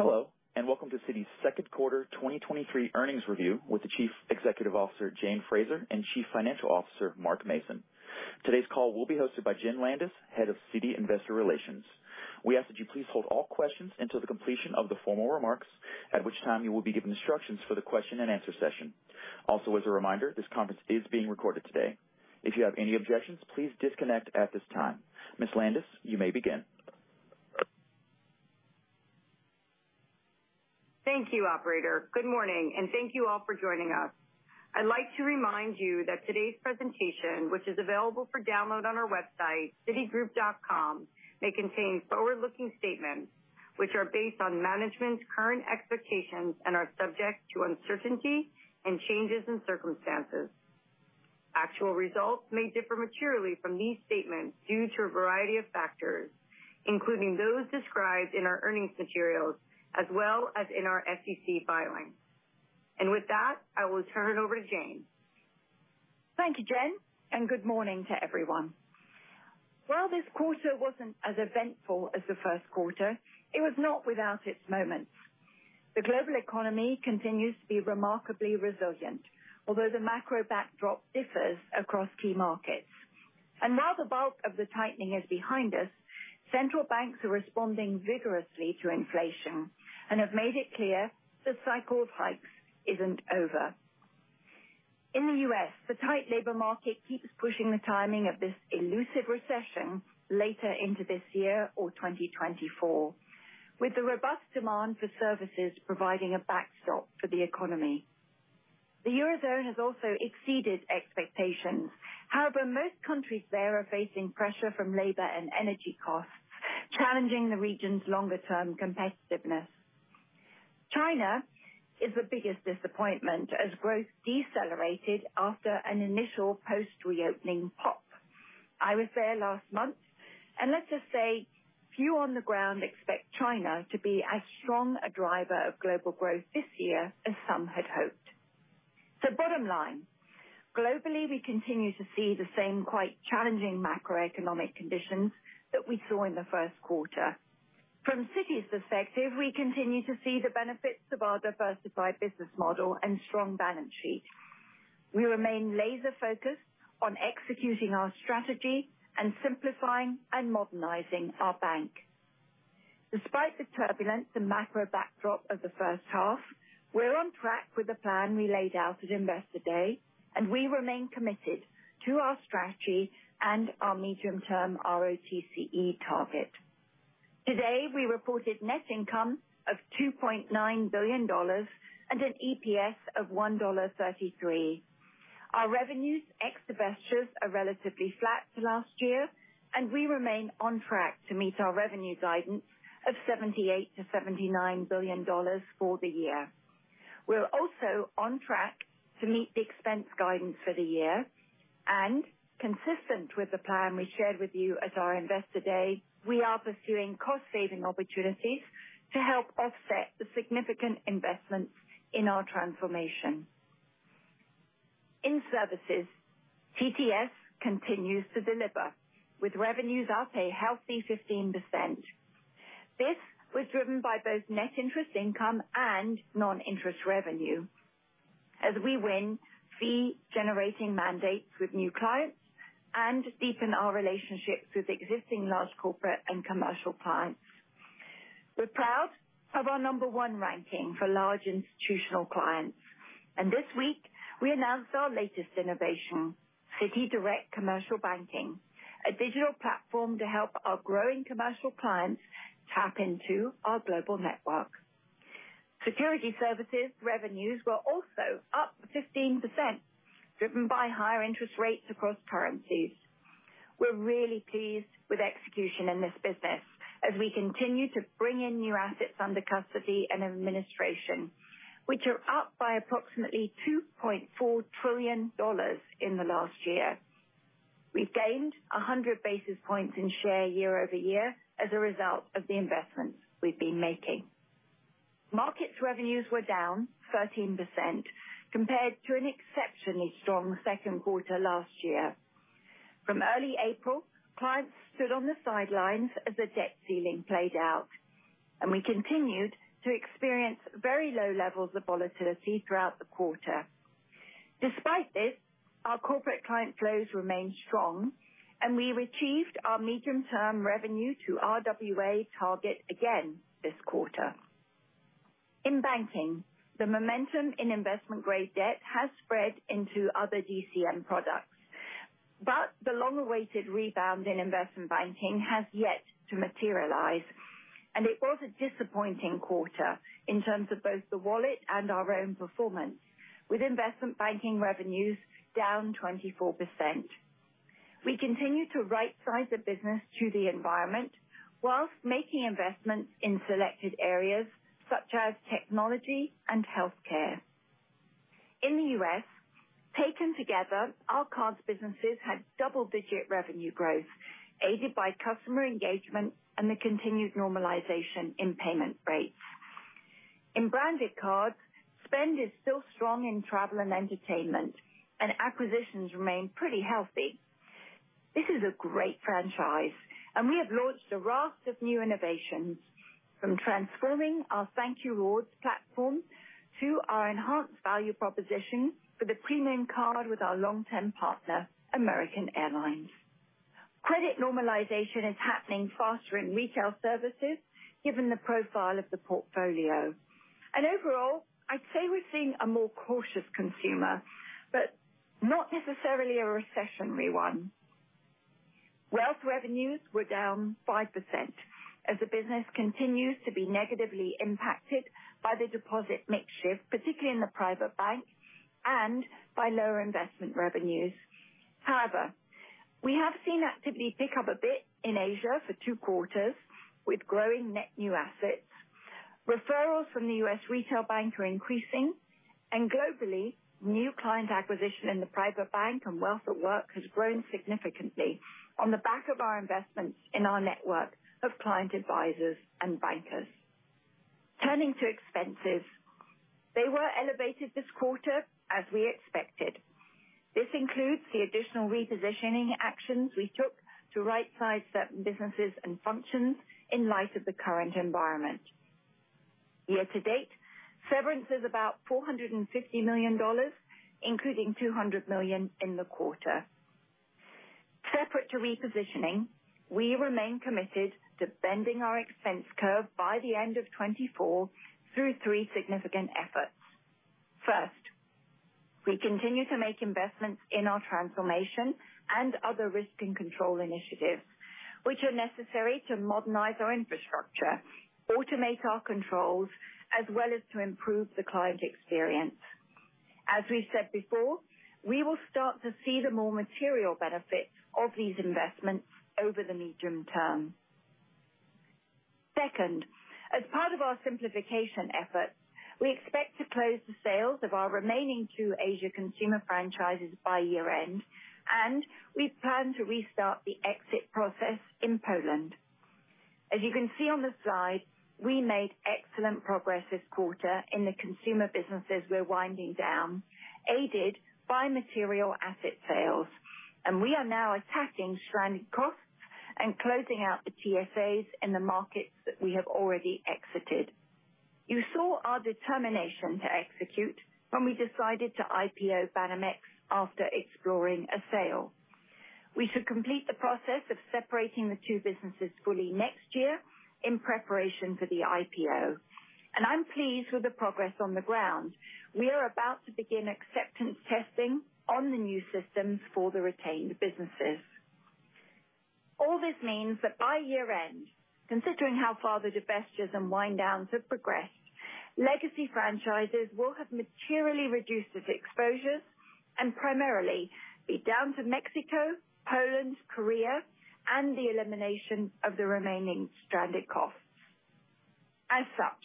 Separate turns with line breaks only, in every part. Hello, and welcome to Citi's Second Quarter 2023 earnings review with the Chief Executive Officer, Jane Fraser, and Chief Financial Officer, Mark Mason. Today's call will be hosted by Jenn Landis, Head of Citi Investor Relations. We ask that you please hold all questions until the completion of the formal remarks, at which time you will be given instructions for the question and answer session. Also, as a reminder, this conference is being recorded today. If you have any objections, please disconnect at this time. Ms. Landis, you may begin.
Thank you, operator. Good morning, and thank you all for joining us. I'd like to remind you that today's presentation, which is available for download on our website, citigroup.com, may contain forward-looking statements, which are based on management's current expectations and are subject to uncertainty and changes in circumstances. Actual results may differ materially from these statements due to a variety of factors, including those described in our earnings materials as well as in our SEC filings. With that, I will turn it over to Jane.
Thank you, Jenn. Good morning to everyone. While this quarter wasn't as eventful as the first quarter, it was not without its moments. The global economy continues to be remarkably resilient, although the macro backdrop differs across key markets. While the bulk of the tightening is behind us, central banks are responding vigorously to inflation and have made it clear the cycle of hikes isn't over. In the U.S., the tight labor market keeps pushing the timing of this elusive recession later into this year or 2024, with the robust demand for services providing a backstop for the economy. The Eurozone has also exceeded expectations. However, most countries there are facing pressure from labor and energy costs, challenging the region's longer-term competitiveness. China is the biggest disappointment as growth decelerated after an initial post-reopening pop. I was there last month. Let's just say, few on the ground expect China to be as strong a driver of global growth this year as some had hoped. Bottom line: globally, we continue to see the same quite challenging macroeconomic conditions that we saw in the first quarter. From Citi's perspective, we continue to see the benefits of our diversified business model and strong balance sheet. We remain laser-focused on executing our strategy and simplifying and modernizing our bank. Despite the turbulence and macro backdrop of the first half, we're on track with the plan we laid out at Investor Day, and we remain committed to our strategy and our medium-term RoTCE target. Today, we reported net income of $2.9 billion and an EPS of $1.33. Our revenues, ex-divestitures, are relatively flat to last year. We remain on track to meet our revenue guidance of $78 billion-$79 billion for the year. We're also on track to meet the expense guidance for the year. Consistent with the plan we shared with you at our Investor Day, we are pursuing cost-saving opportunities to help offset the significant investments in our transformation. In services, TTS continues to deliver, with revenues up a healthy 15%. This was driven by both net interest income and non-interest revenue as we win fee-generating mandates with new clients and deepen our relationships with existing large corporate and commercial clients. We're proud of our number one ranking for large institutional clients. This week, we announced our latest innovation, CitiDirect Commercial Banking, a digital platform to help our growing commercial clients tap into our global network. Security Services revenues were also up 15%, driven by higher interest rates across currencies. We're really pleased with execution in this business as we continue to bring in new assets under custody and administration, which are up by approximately $2.4 trillion in the last year. We've gained 100 basis points in share year-over-year as a result of the investments we've been making. Markets revenues were down 13% compared to an exceptionally strong second quarter last year. From early April, clients stood on the sidelines as the debt ceiling played out, and we continued to experience very low levels of volatility throughout the quarter. Despite this, our corporate client flows remained strong, and we've achieved our medium-term revenue to RWA target again this quarter. In banking, the momentum in investment-grade debt has spread into other DCM products, but the long-awaited rebound in investment banking has yet to materialize, and it was a disappointing quarter in terms of both the wallet and our own performance, with investment banking revenues down 24%. We continue to right size the business through the environment whilst making investments in selected areas such as technology and healthcare. In the U.S., taken together, our cards businesses had double-digit revenue growth, aided by customer engagement and the continued normalization in payment rates. In branded cards, spend is still strong in travel and entertainment, and acquisitions remain pretty healthy. This is a great franchise, and we have launched a raft of new innovations, from transforming our ThankYou Rewards platform to our enhanced value proposition for the premium card with our long-term partner, American Airlines. Credit normalization is happening faster in retail services, given the profile of the portfolio. Overall, I'd say we're seeing a more cautious consumer, but not necessarily a recessionary one. Wealth revenues were down 5%, as the business continues to be negatively impacted by the deposit mix shift, particularly in the private bank, and by lower investment revenues. However, we have seen activity pick up a bit in Asia for two quarters, with growing net new assets. Referrals from the U.S. retail bank are increasing, globally, new client acquisition in the private bank and wealth at work has grown significantly on the back of our investments in our network of client advisors and bankers. Turning to expenses. They were elevated this quarter, as we expected. This includes the additional repositioning actions we took to right size certain businesses and functions in light of the current environment. Year to date, severance is about $450 million, including $200 million in the quarter. Separate to repositioning, we remain committed to bending our expense curve by the end of 2024 through three significant efforts. First, we continue to make investments in our transformation and other risk and control initiatives, which are necessary to modernize our infrastructure, automate our controls, as well as to improve the client experience. As we said before, we will start to see the more material benefits of these investments over the medium term. Second, as part of our simplification efforts, we expect to close the sales of our remaining two Asia consumer franchises by year-end. We plan to restart the exit process in Poland. As you can see on the slide, we made excellent progress this quarter in the consumer businesses we're winding down, aided by material asset sales, and we are now attacking stranded costs and closing out the TSAs in the markets that we have already exited. You saw our determination to execute when we decided to IPO Banamex after exploring a sale. We should complete the process of separating the two businesses fully next year in preparation for the IPO, and I'm pleased with the progress on the ground. We are about to begin acceptance testing on the new systems for the retained businesses. All this means that by year-end, considering how far the divestitures and wind downs have progressed, legacy franchises will have materially reduced its exposure and primarily be down to Mexico, Poland, Korea, and the elimination of the remaining stranded costs. As such,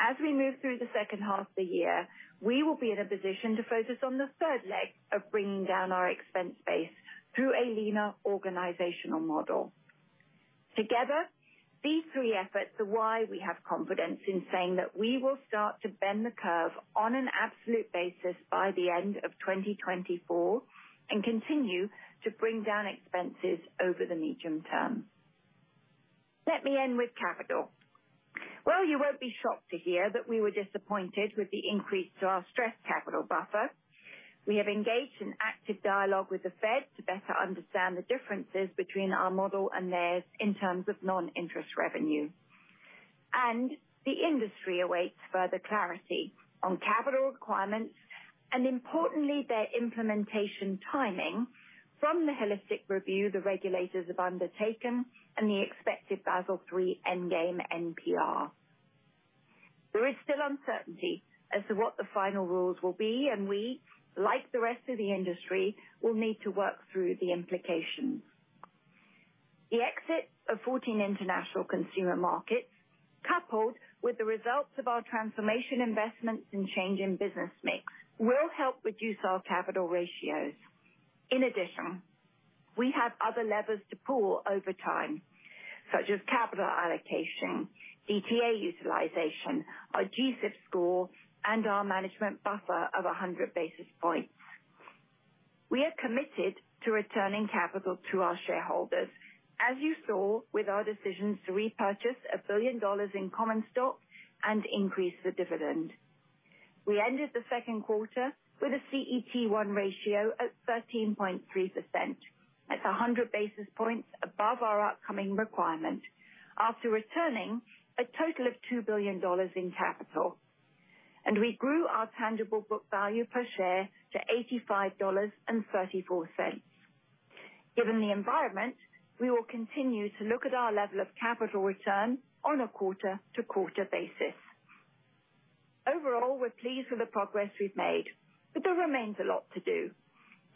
as we move through the second half of the year, we will be in a position to focus on the third leg of bringing down our expense base through a leaner organizational model. Together, these three efforts are why we have confidence in saying that we will start to bend the curve on an absolute basis by the end of 2024, and continue to bring down expenses over the medium term. Let me end with capital. Well, you won't be shocked to hear that we were disappointed with the increase to our stress capital buffer. We have engaged in active dialogue with the Fed to better understand the differences between our model and theirs in terms of non-interest revenue. The industry awaits further clarity on capital requirements, and importantly, their implementation timing from the holistic review the regulators have undertaken and the expected Basel III endgame NPR. There is still uncertainty as to what the final rules will be, and we, like the rest of the industry, will need to work through the implications. The exit of 14 international consumer markets, coupled with the results of our transformation investments and change in business mix, will help reduce our capital ratios. In addition, we have other levers to pull over time, such as capital allocation, DTA utilization, our G-SIB score, and our management buffer of 100 basis points. We are committed to returning capital to our shareholders, as you saw with our decisions to repurchase $1 billion in common stock and increase the dividend. We ended the second quarter with a CET1 ratio at 13.3%. That's 100 basis points above our upcoming requirement, after returning a total of $2 billion in capital. We grew our tangible book value per share to $85.34. Given the environment, we will continue to look at our level of capital return on a quarter-to-quarter basis. Overall, we're pleased with the progress we've made, but there remains a lot to do.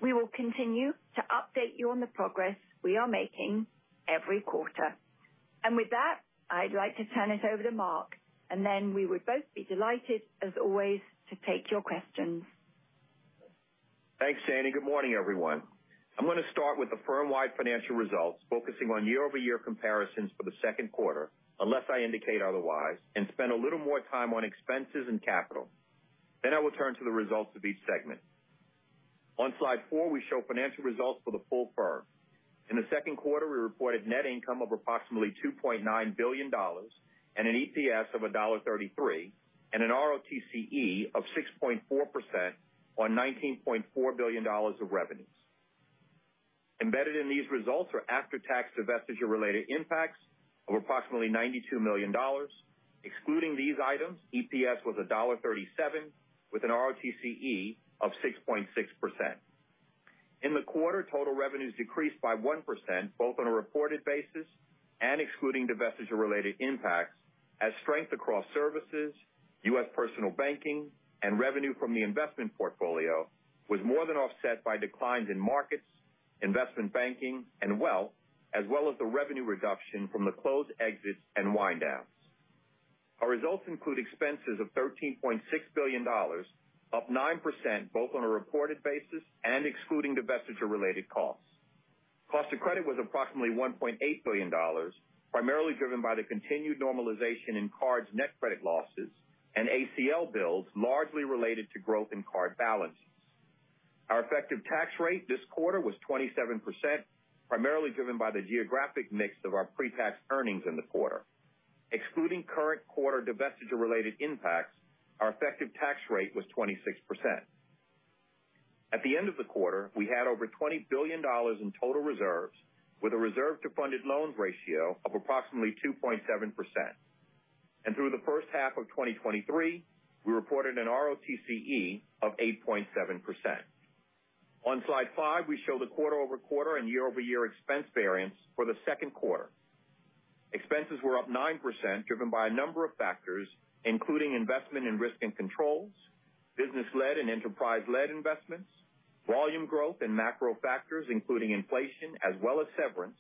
We will continue to update you on the progress we are making every quarter. With that, I'd like to turn it over to Mark, and then we would both be delighted, as always, to take your questions.
Thanks, Jane. Good morning, everyone. I'm going to start with the firm-wide financial results, focusing on year-over-year comparisons for the second quarter, unless I indicate otherwise, and spend a little more time on expenses and capital. I will turn to the results of each segment. On slide four, we show financial results for the full firm. In the second quarter, we reported net income of approximately $2.9 billion and an EPS of $1.33, and an RoTCE of 6.4% on $19.4 billion of revenues. Embedded in these results are after-tax divestiture-related impacts of approximately $92 million. Excluding these items, EPS was $1.37, with an RoTCE of 6.6%. In the quarter, total revenues decreased by 1%, both on a reported basis and excluding divestiture-related impacts, as strength across services, U.S. personal banking and revenue from the investment portfolio was more than offset by declines in markets, investment banking and wealth, as well as the revenue reduction from the closed exits and wind downs. Our results include expenses of $13.6 billion, up 9%, both on a reported basis and excluding divestiture-related costs. Cost of credit was approximately $1.8 billion, primarily driven by the continued normalization in cards' net credit losses and ACL builds, largely related to growth in card balances. Our effective tax rate this quarter was 27%, primarily driven by the geographic mix of our pre-tax earnings in the quarter. Excluding current quarter divestiture-related impacts, our effective tax rate was 26%. At the end of the quarter, we had over $20 billion in total reserves, with a reserve to funded loans ratio of approximately 2.7%. Through the first half of 2023, we reported an RoTCE of 8.7%. On slide five, we show the quarter-over-quarter and year-over-year expense variance for the second quarter. Expenses were up 9%, driven by a number of factors, including investment in risk and controls, business-led and enterprise-led investments, volume growth and macro factors, including inflation as well as severance.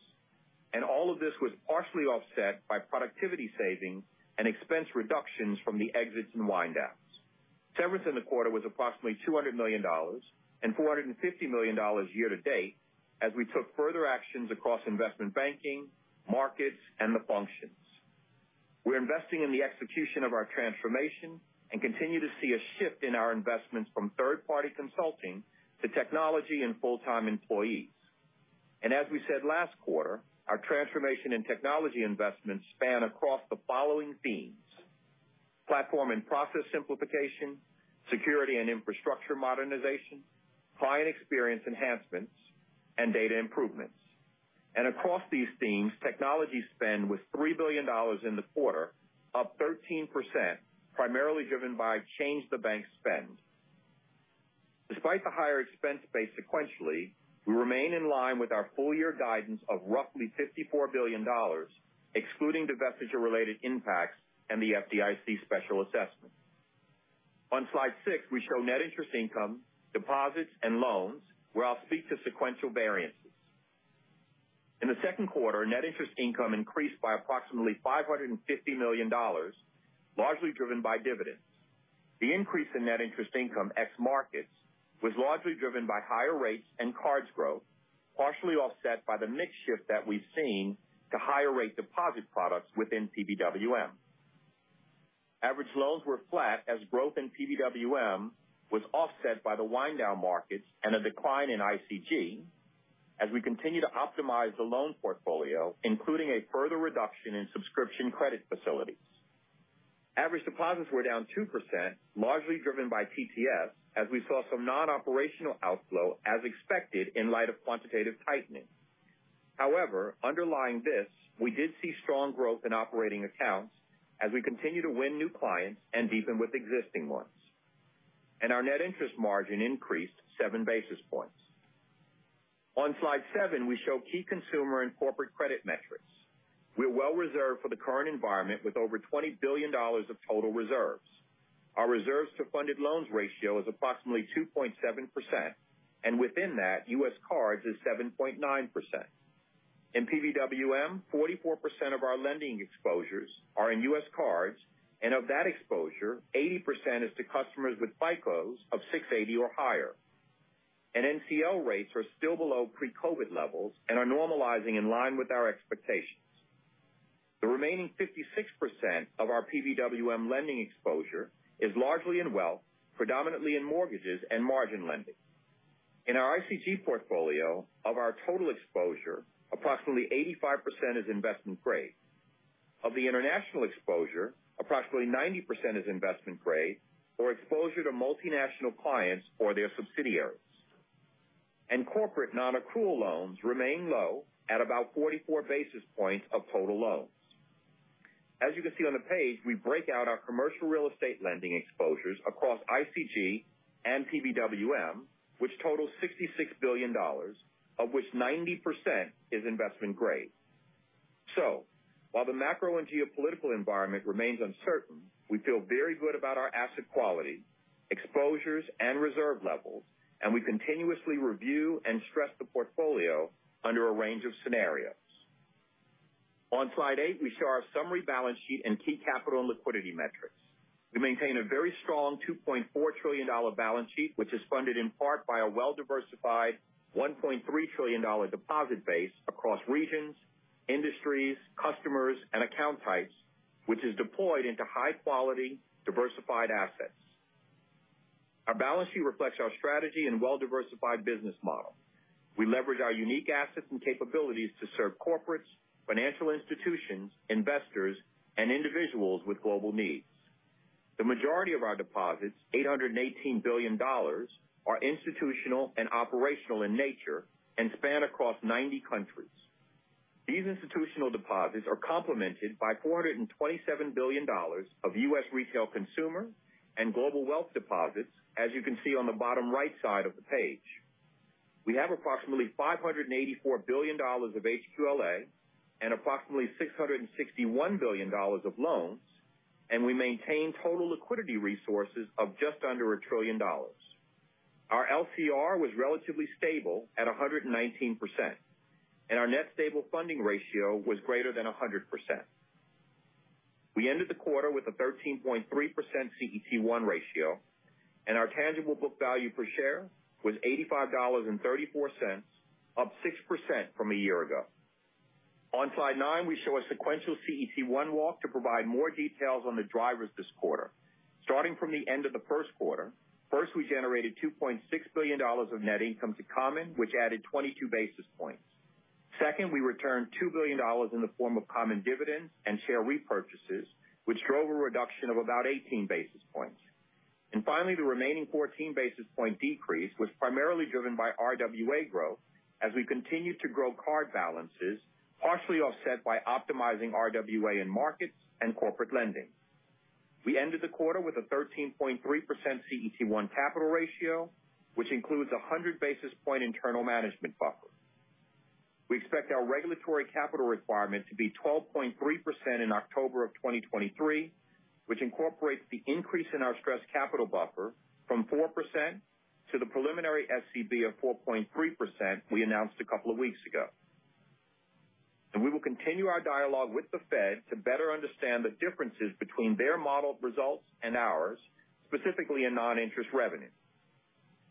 All of this was partially offset by productivity savings and expense reductions from the exits and wind downs. Severance in the quarter was approximately $200 million and $450 million year to date, as we took further actions across investment banking, markets, and the functions. We're investing in the execution of our transformation and continue to see a shift in our investments from third-party consulting to technology and full-time employees. As we said last quarter, our transformation and technology investments span across the following themes: platform and process simplification, security and infrastructure modernization, client experience enhancements, and data improvements. Across these themes, technology spend was $3 billion in the quarter, up 13%, primarily driven by change the bank spend. Despite the higher expense base sequentially, we remain in line with our full year guidance of roughly $54 billion, excluding divestiture-related impacts and the FDIC special assessment. On slide six, we show net interest income, deposits, and loans, where I'll speak to sequential variances. In the 2Q, net interest income increased by approximately $550 million, largely driven by dividends. The increase in net interest income ex markets was largely driven by higher rates and cards growth, partially offset by the mix shift that we've seen to higher rate deposit products within PBWM. Average loans were flat as growth in PBWM was offset by the wind down markets and a decline in ICG, as we continue to optimize the loan portfolio, including a further reduction in subscription credit facilities. Average deposits were down 2%, largely driven by TTS, as we saw some non-operational outflow as expected in light of quantitative tightening. However, underlying this, we did see strong growth in operating accounts as we continue to win new clients and deepen with existing ones. Our net interest margin increased 7 basis points. On slide seven, we show key consumer and corporate credit metrics. We're well reserved for the current environment with over $20 billion of total reserves. Our reserves to funded loans ratio is approximately 2.7%. Within that, US cards is 7.9%. In PBWM, 44% of our lending exposures are in US cards, and of that exposure, 80% is to customers with FICO of 680 or higher. NCL rates are still below pre-COVID levels and are normalizing in line with our expectations. The remaining 56% of our PBWM lending exposure is largely in wealth, predominantly in mortgages and margin lending. In our ICG portfolio, of our total exposure, approximately 85% is investment grade. Of the international exposure, approximately 90% is investment grade or exposure to multinational clients or their subsidiaries. Corporate non-accrual loans remain low at about 44 basis points of total loans. As you can see on the page, we break out our commercial real estate lending exposures across ICG and PBWM, which totals $66 billion, of which 90% is investment grade. While the macro and geopolitical environment remains uncertain, we feel very good about our asset quality, exposures, and reserve levels, and we continuously review and stress the portfolio under a range of scenarios. On Slide eight, we show our summary balance sheet and key capital and liquidity metrics. We maintain a very strong $2.4 trillion balance sheet, which is funded in part by a well-diversified $1.3 trillion deposit base across regions, industries, customers, and account types, which is deployed into high-quality, diversified assets. Our balance sheet reflects our strategy and well-diversified business model. We leverage our unique assets and capabilities to serve corporates, financial institutions, investors, and individuals with global needs. The majority of our deposits, $818 billion, are institutional and operational in nature and span across 90 countries. These institutional deposits are complemented by $427 billion of U.S. retail consumer and global wealth deposits, as you can see on the bottom right side of the page. We have approximately $584 billion of HQLA and approximately $661 billion of loans, and we maintain total liquidity resources of just under $1 trillion. Our LCR was relatively stable at 119%. Our net stable funding ratio was greater than 100%. We ended the quarter with a 13.3% CET1 ratio, and our tangible book value per share was $85.34, up 6% from a year ago. On slide nine, we show a sequential CET1 walk to provide more details on the drivers this quarter. Starting from the end of the first quarter, first, we generated $2.6 billion of net income to common, which added 22 basis points. Second, we returned $2 billion in the form of common dividends and share repurchases, which drove a reduction of about 18 basis points. The remaining 14 basis point decrease was primarily driven by RWA growth as we continued to grow card balances, partially offset by optimizing RWA in markets and corporate lending. We ended the quarter with a 13.3% CET1 capital ratio, which includes a 100 basis point internal management buffer. We expect our regulatory capital requirement to be 12.3% in October of 2023, which incorporates the increase in our stress capital buffer from 4% to the preliminary SCB of 4.3% we announced a couple of weeks ago. We will continue our dialogue with the Fed to better understand the differences between their modeled results and ours, specifically in non-interest revenue.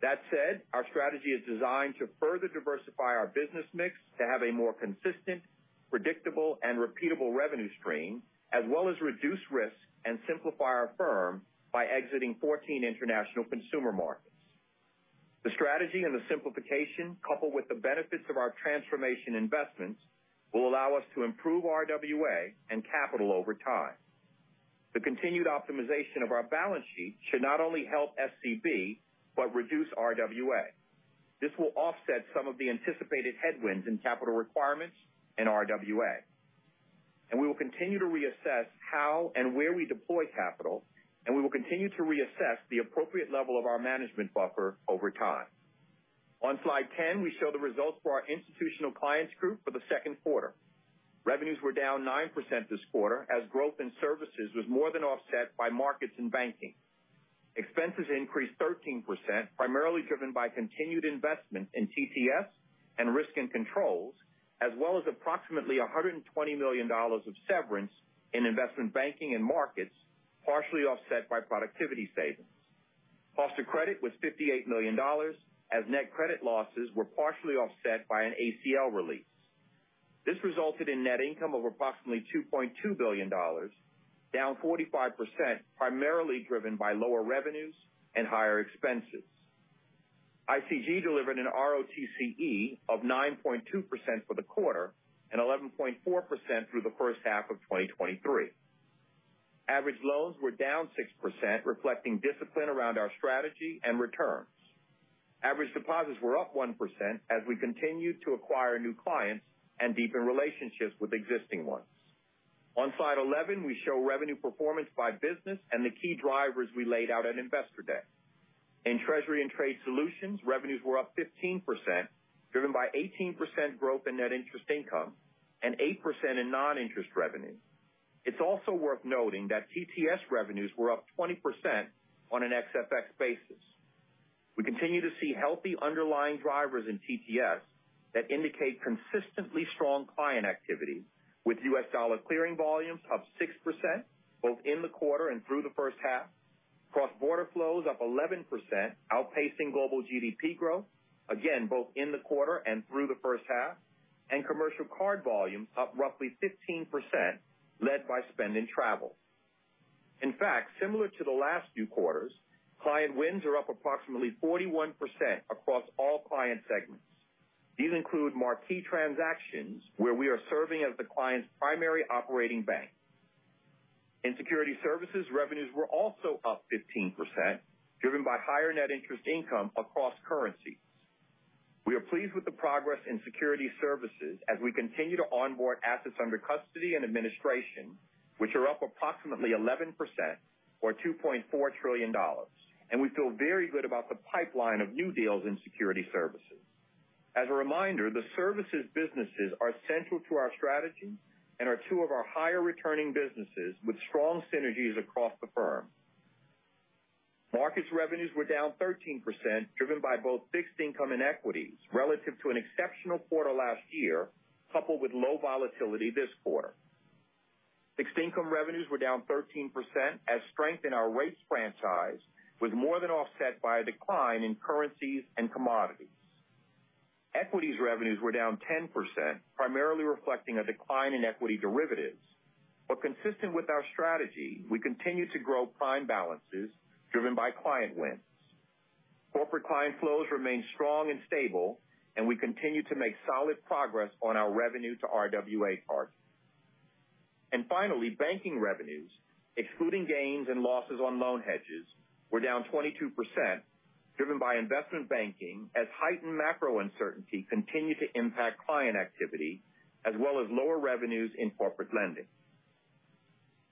That said, our strategy is designed to further diversify our business mix to have a more consistent, predictable, and repeatable revenue stream, as well as reduce risk and simplify our firm by exiting 14 international consumer markets. The strategy and the simplification, coupled with the benefits of our transformation investments, will allow us to improve RWA and capital over time. The continued optimization of our balance sheet should not only help SCB but reduce RWA. This will offset some of the anticipated headwinds in capital requirements and RWA. We will continue to reassess how and where we deploy capital, and we will continue to reassess the appropriate level of our management buffer over time. On Slide 10, we show the results for our Institutional Clients Group for the second quarter. Revenues were down 9% this quarter, as growth in services was more than offset by markets and banking. Expenses increased 13%, primarily driven by continued investment in TTS and risk and controls, as well as approximately $120 million of severance in investment banking and markets, partially offset by productivity savings. Cost of credit was $58 million, as net credit losses were partially offset by an ACL release. This resulted in net income of approximately $2.2 billion, down 45%, primarily driven by lower revenues and higher expenses. ICG delivered an RoTCE of 9.2% for the quarter and 11.4% through the first half of 2023. Average loans were down 6%, reflecting discipline around our strategy and returns. Average deposits were up 1% as we continued to acquire new clients and deepen relationships with existing ones. On slide 11, we show revenue performance by business and the key drivers we laid out at Investor Day. In Treasury and Trade Solutions, revenues were up 15%, driven by 18% growth in net interest income and 8% in non-interest revenue. It's also worth noting that TTS revenues were up 20% on an ex-FX basis. We continue to see healthy underlying drivers in TTS that indicate consistently strong client activity, with US dollar clearing volumes up 6%, both in the quarter and through the first half, cross-border flows up 11%, outpacing global GDP growth, again, both in the quarter and through the first half, and commercial card volumes up roughly 15%, led by spend in travel. In fact, similar to the last few quarters, client wins are up approximately 41% across all client segments. These include marquee transactions where we are serving as the client's primary operating bank. In Security Services, revenues were also up 15%, driven by higher net interest income across currencies. We are pleased with the progress in Security Services as we continue to onboard assets under custody and administration, which are up approximately 11% or $2.4 trillion. We feel very good about the pipeline of new deals in Security Services. Markets revenues were down 13%, driven by both fixed income and equities relative to an exceptional quarter last year, coupled with low volatility this quarter. Fixed income revenues were down 13% as strength in our rates franchise was more than offset by a decline in currencies and commodities. Equities revenues were down 10%, primarily reflecting a decline in equity derivatives. Consistent with our strategy, we continue to grow prime balances driven by client wins. Corporate client flows remain strong and stable. We continue to make solid progress on our revenue to RWA target. Finally, banking revenues, excluding gains and losses on loan hedges, were down 22%, driven by investment banking as heightened macro uncertainty continued to impact client activity, as well as lower revenues in corporate lending.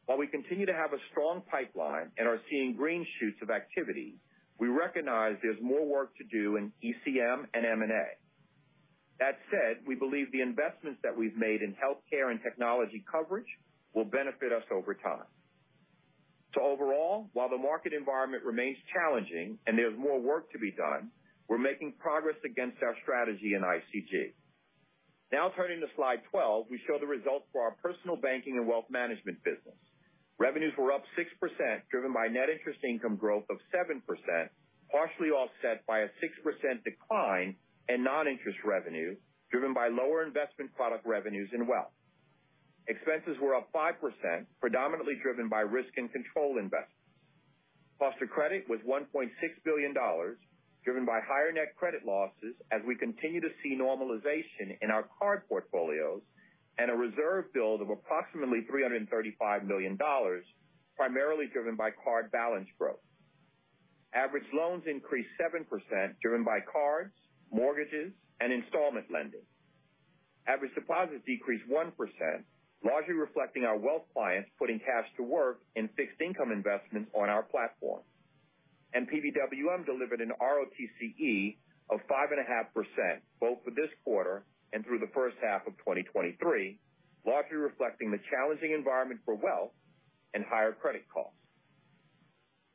While we continue to have a strong pipeline and are seeing green shoots of activity, we recognize there's more work to do in ECM and M&A. That said, we believe the investments that we've made in healthcare and technology coverage will benefit us over time. Overall, while the market environment remains challenging and there's more work to be done, we're making progress against our strategy in ICG. Now turning to slide 12, we show the results for our personal banking and wealth management business. Revenues were up 6%, driven by net interest income growth of 7%, partially offset by a 6% decline in non-interest revenue, driven by lower investment product revenues and wealth. Expenses were up 5%, predominantly driven by risk and control investments. Cost of credit was $1.6 billion, driven by higher net credit losses as we continue to see normalization in our card portfolios and a reserve build of approximately $335 million, primarily driven by card balance growth. Average loans increased 7% driven by cards, mortgages, and installment lending. Average deposits decreased 1%, largely reflecting our wealth clients putting cash to work in fixed income investments on our platform. PBWM delivered an RoTCE of 5.5%, both for this quarter and through the first half of 2023, largely reflecting the challenging environment for wealth and higher credit costs.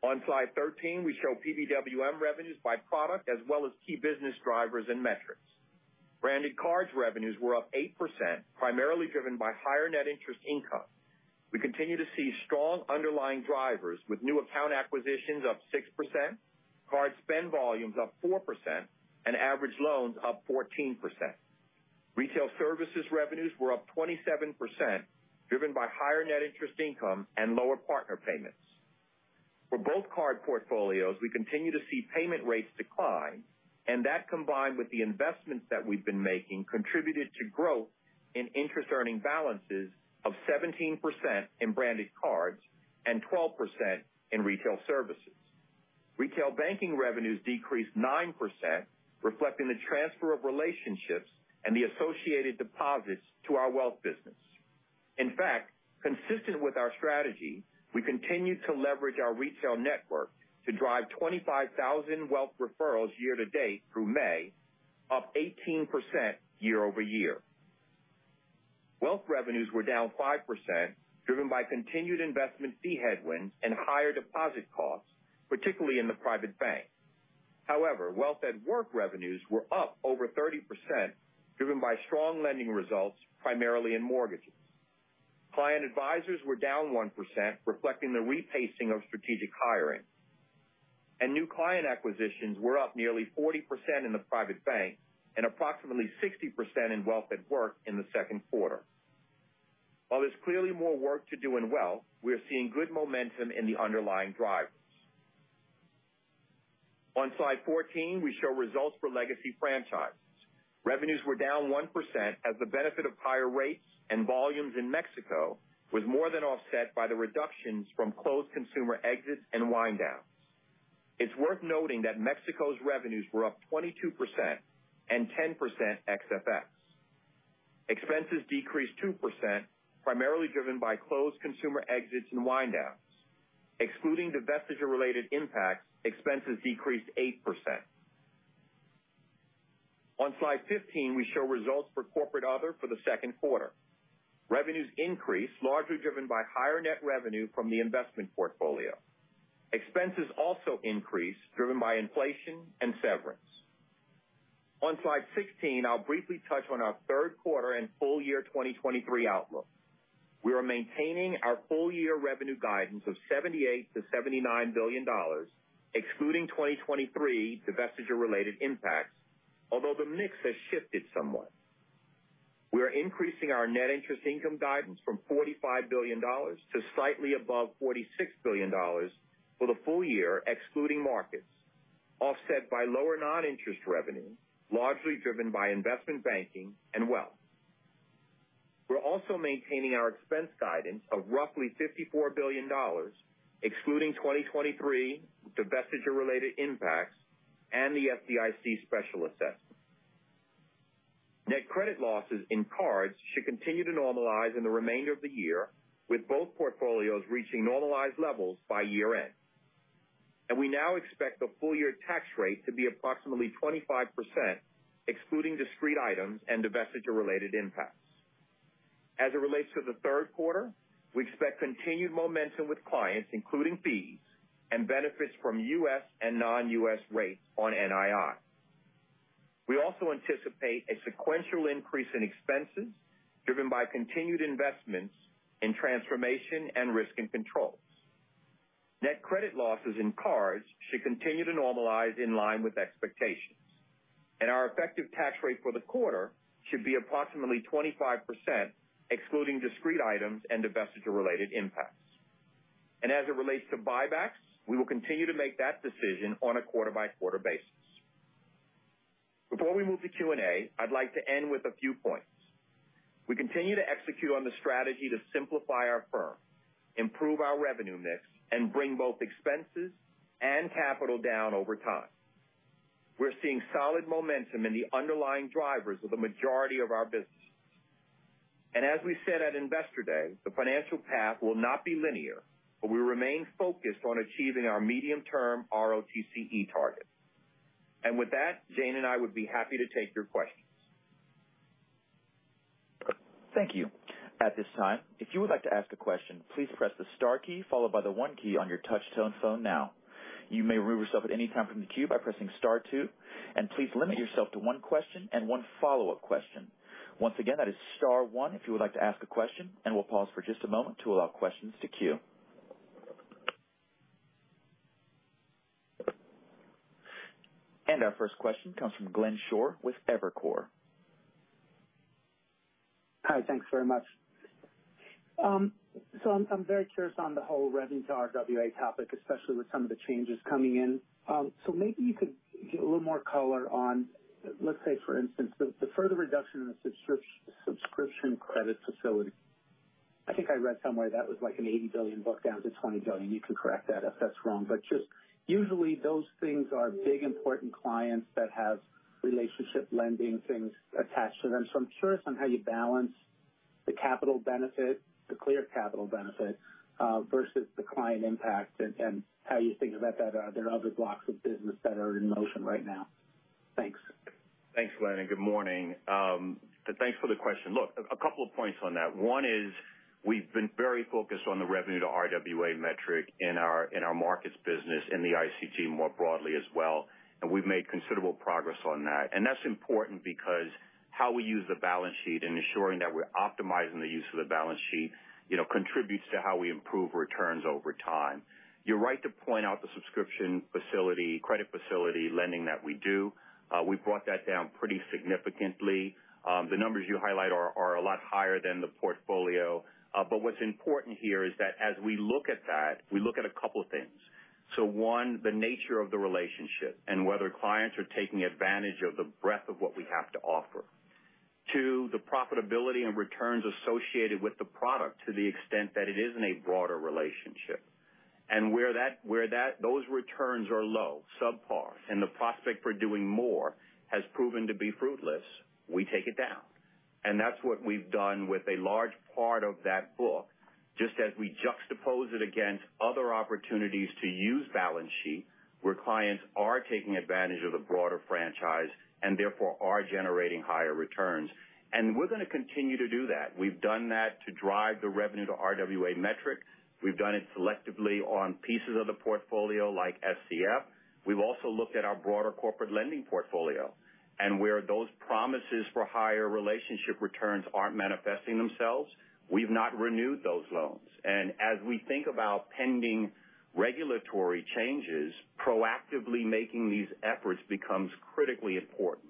On slide 13, we show PBWM revenues by product as well as key business drivers and metrics. Branded cards revenues were up 8%, primarily driven by higher net interest income. We continue to see strong underlying drivers with new account acquisitions up 6%, card spend volumes up 4%, and average loans up 14%. Retail services revenues were up 27%, driven by higher net interest income and lower partner payments. For both card portfolios, we continue to see payment rates decline, that combined with the investments that we've been making, contributed to growth in interest earning balances of 17% in branded cards and 12% in retail services. Retail banking revenues decreased 9%, reflecting the transfer of relationships and the associated deposits to our Wealth business. In fact, consistent with our strategy, we continued to leverage our retail network to drive 25,000 Wealth referrals year-to-date through May, up 18% year-over-year. Wealth revenues were down 5%, driven by continued investment fee headwinds and higher deposit costs, particularly in the Private Bank. Wealth at Work revenues were up over 30%, driven by strong lending results, primarily in mortgages. Client advisors were down 1%, reflecting the re-pacing of strategic hiring. New client acquisitions were up nearly 40% in the Private Bank and approximately 60% in Wealth at Work in the second quarter. There's clearly more work to do in Wealth, we are seeing good momentum in the underlying drivers. On slide 14, we show results for legacy franchises. Revenues were down 1% as the benefit of higher rates and volumes in Mexico was more than offset by the reductions from closed consumer exits and wind downs. It's worth noting that Mexico's revenues were up 22% and 10% ex-FX. Expenses decreased 2%, primarily driven by closed consumer exits and wind downs. Excluding divestiture-related impacts, expenses decreased 8%. On slide 15, we show results for corporate other for the second quarter. Revenues increased, largely driven by higher net revenue from the investment portfolio. Expenses also increased, driven by inflation and severance. On slide 16, I'll briefly touch on our third quarter and full year 2023 outlook. We are maintaining our full year revenue guidance of $78 billion-$79 billion, excluding 2023 divestiture-related impacts, although the mix has shifted somewhat. We are increasing our net interest income guidance from $45 billion to slightly above $46 billion for the full year, excluding markets, offset by lower non-interest revenue, largely driven by investment banking and wealth. We're also maintaining our expense guidance of roughly $54 billion, excluding 2023 divestiture-related impacts and the FDIC special assessment. Net credit losses in cards should continue to normalize in the remainder of the year, with both portfolios reaching normalized levels by year-end. We now expect the full year tax rate to be approximately 25%, excluding discrete items and divestiture-related impacts. As it relates to the third quarter, we expect continued momentum with clients, including fees and benefits from US and non-US rates on NII. We also anticipate a sequential increase in expenses, driven by continued investments in transformation and risk and controls. Net credit losses in cards should continue to normalize in line with expectations, and our effective tax rate for the quarter should be approximately 25%, excluding discrete items and divestiture-related impacts. As it relates to buybacks, we will continue to make that decision on a quarter-by-quarter basis. Before we move to Q&A, I'd like to end with a few points. We continue to execute on the strategy to simplify our firm, improve our revenue mix, and bring both expenses and capital down over time. We're seeing solid momentum in the underlying drivers of the majority of our businesses. As we said at Investor Day, the financial path will not be linear, but we remain focused on achieving our medium-term RoTCE target. With that, Jane and I would be happy to take your questions.
Thank you. At this time, if you would like to ask a question, please press the star key followed by the one key on your touchtone phone now. You may remove yourself at any time from the queue by pressing star two. Please limit yourself to one question and one follow-up question. Once again, that is star one if you would like to ask a question. We'll pause for just a moment to allow questions to queue. Our first question comes from Glenn Schorr with Evercore.
Hi, thanks very much. I'm very curious on the whole revenue to RWA topic, especially with some of the changes coming in. Maybe you could give a little more color on, let's say, for instance, the further reduction in the subscription credit facility. I think I read somewhere that was like an $80 billion book down to $20 billion. You can correct that if that's wrong, just usually those things are big, important clients that have relationship lending things attached to them. I'm curious on how you balance the capital benefit, the clear capital benefit, versus the client impact and how you think about that. Are there other blocks of business that are in motion right now? Thanks.
Thanks, Glenn. Good morning. Thanks for the question. Look, a couple of points on that. One is we've been very focused on the revenue to RWA metric in our, in our markets business, in the ICG more broadly as well. We've made considerable progress on that. That's important because how we use the balance sheet and ensuring that we're optimizing the use of the balance sheet, you know, contributes to how we improve returns over time. You're right to point out the subscription facility, credit facility lending that we do. We brought that down pretty significantly. The numbers you highlight are a lot higher than the portfolio. What's important here is that as we look at that, we look at a couple things. One, the nature of the relationship and whether clients are taking advantage of the breadth of what we have to offer. Two, the profitability and returns associated with the product to the extent that it is in a broader relationship. Where those returns are low, subpar, and the prospect for doing more has proven to be fruitless, we take it down. That's what we've done with a large part of that book, just as we juxtapose it against other opportunities to use balance sheet, where clients are taking advantage of the broader franchise and therefore are generating higher returns. We're going to continue to do that. We've done that to drive the revenue to RWA metrics. We've done it selectively on pieces of the portfolio like SCF. We've also looked at our broader corporate lending portfolio and where those promises for higher relationship returns aren't manifesting themselves, we've not renewed those loans. As we think about pending regulatory changes, proactively making these efforts becomes critically important.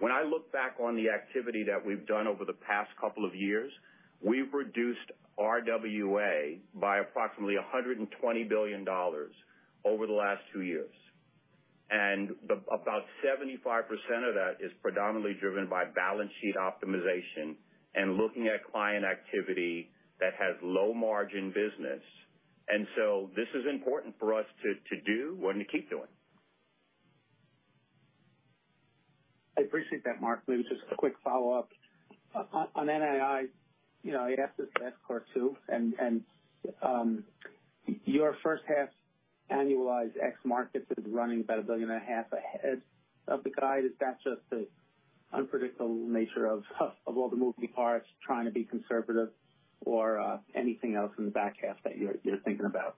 When I look back on the activity that we've done over the past couple of years, we've reduced RWA by approximately $120 billion over the last two years, and about 75% of that is predominantly driven by balance sheet optimization and looking at client activity that has low margin business. This is important for us to do and to keep doing.
I appreciate that, Mark. Maybe just a quick follow-up. On NII, you know, I'd ask this question too, and your first half annualized ex markets is running about a billion and a half ahead of the guide. Is that just the unpredictable nature of all the moving parts, trying to be conservative or anything else in the back half that you're thinking about?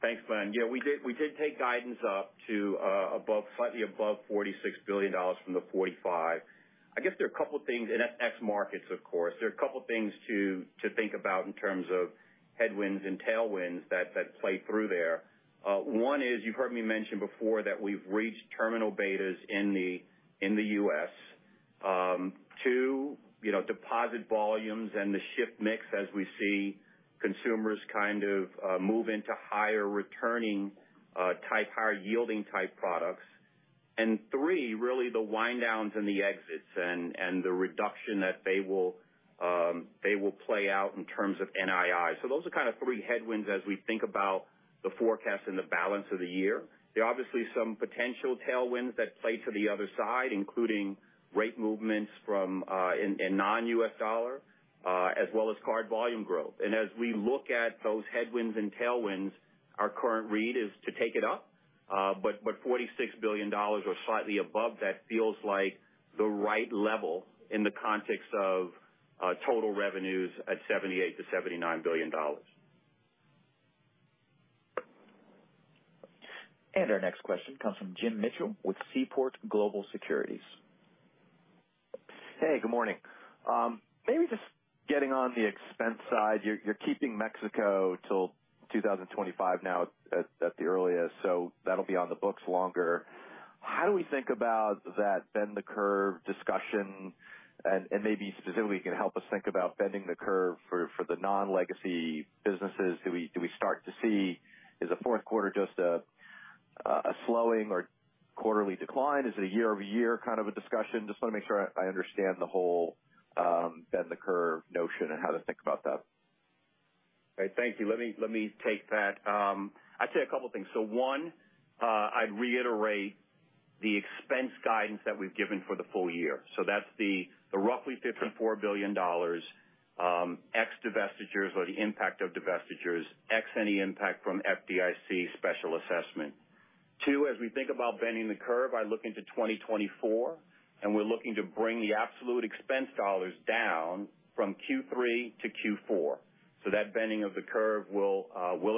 Thanks, Glenn. Yeah, we did take guidance up to above, slightly above $46 billion from the $45 billion. I guess there are a couple things in ex markets, of course. There are a couple things to think about in terms of headwinds and tailwinds that play through there. One is, you've heard me mention before that we've reached terminal betas in the U.S. Two, you know, deposit volumes and the ship mix as we see consumers kind of move into higher returning, type, higher yielding type products. Three, really the wind downs and the exits and the reduction that they will play out in terms of NII. Those are kind of three headwinds as we think about the forecast and the balance of the year. There are obviously some potential tailwinds that play to the other side, including rate movements from in non-U.S. dollar as well as card volume growth. As we look at those headwinds and tailwinds, our current read is to take it up. But $46 billion or slightly above that feels like the right level in the context of total revenues at $78 billion-$79 billion.
Our next question comes from Jim Mitchell with Seaport Global Securities.
Hey, good morning. Maybe just getting on the expense side, you're keeping Mexico till 2025 now at the earliest, that'll be on the books longer. How do we think about that bend the curve discussion? Maybe specifically, you can help us think about bending the curve for the non-legacy businesses. Do we start to see, is the fourth quarter just a slowing or quarterly decline? Is it a year-over-year kind of a discussion? Just want to make sure I understand the whole bend the curve notion and how to think about that.
Right. Thank you. Let me take that. I'd say a couple things. One, I'd reiterate the expense guidance that we've given for the full year. That's the roughly $54 billion, ex-divestitures or the impact of divestitures, ex any impact from FDIC special assessment. Two, as we think about bending the curve, I look into 2024, we're looking to bring the absolute expense dollars down from Q3 to Q4. That bending of the curve will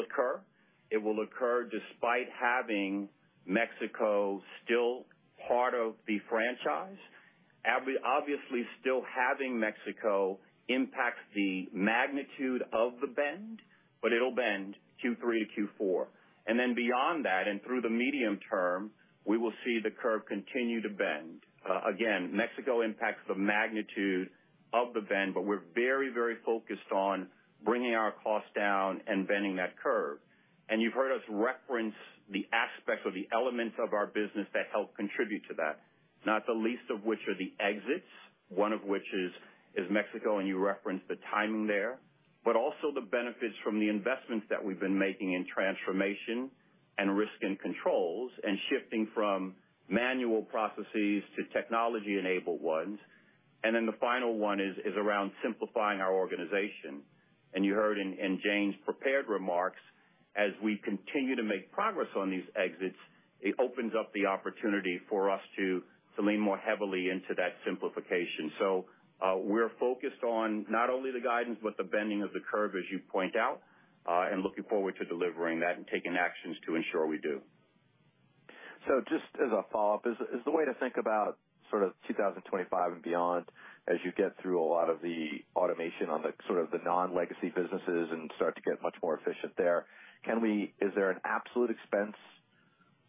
occur. It will occur despite having Mexico still part of the franchise. Obviously, still having Mexico impacts the magnitude of the bend, it'll bend Q3 to Q4. Beyond that, through the medium term, we will see the curve continue to bend. Again, Mexico impacts the magnitude of the bend, but we're very, very focused on bringing our costs down and bending that curve. You've heard us reference the aspects of the elements of our business that help contribute to that, not the least of which are the exits, one of which is Mexico, and you referenced the timing there. Also the benefits from the investments that we've been making in transformation and risk and controls, and shifting from manual processes to technology-enabled ones. Then the final one is around simplifying our organization. You heard in Jane's prepared remarks, as we continue to make progress on these exits, it opens up the opportunity for us to lean more heavily into that simplification. We're focused on not only the guidance, but the bending of the curve, as you point out, and looking forward to delivering that and taking actions to ensure we do.
Just as a follow-up, is the way to think about sort of 2025 and beyond, as you get through a lot of the automation on the sort of the non-legacy businesses and start to get much more efficient there, is there an absolute expense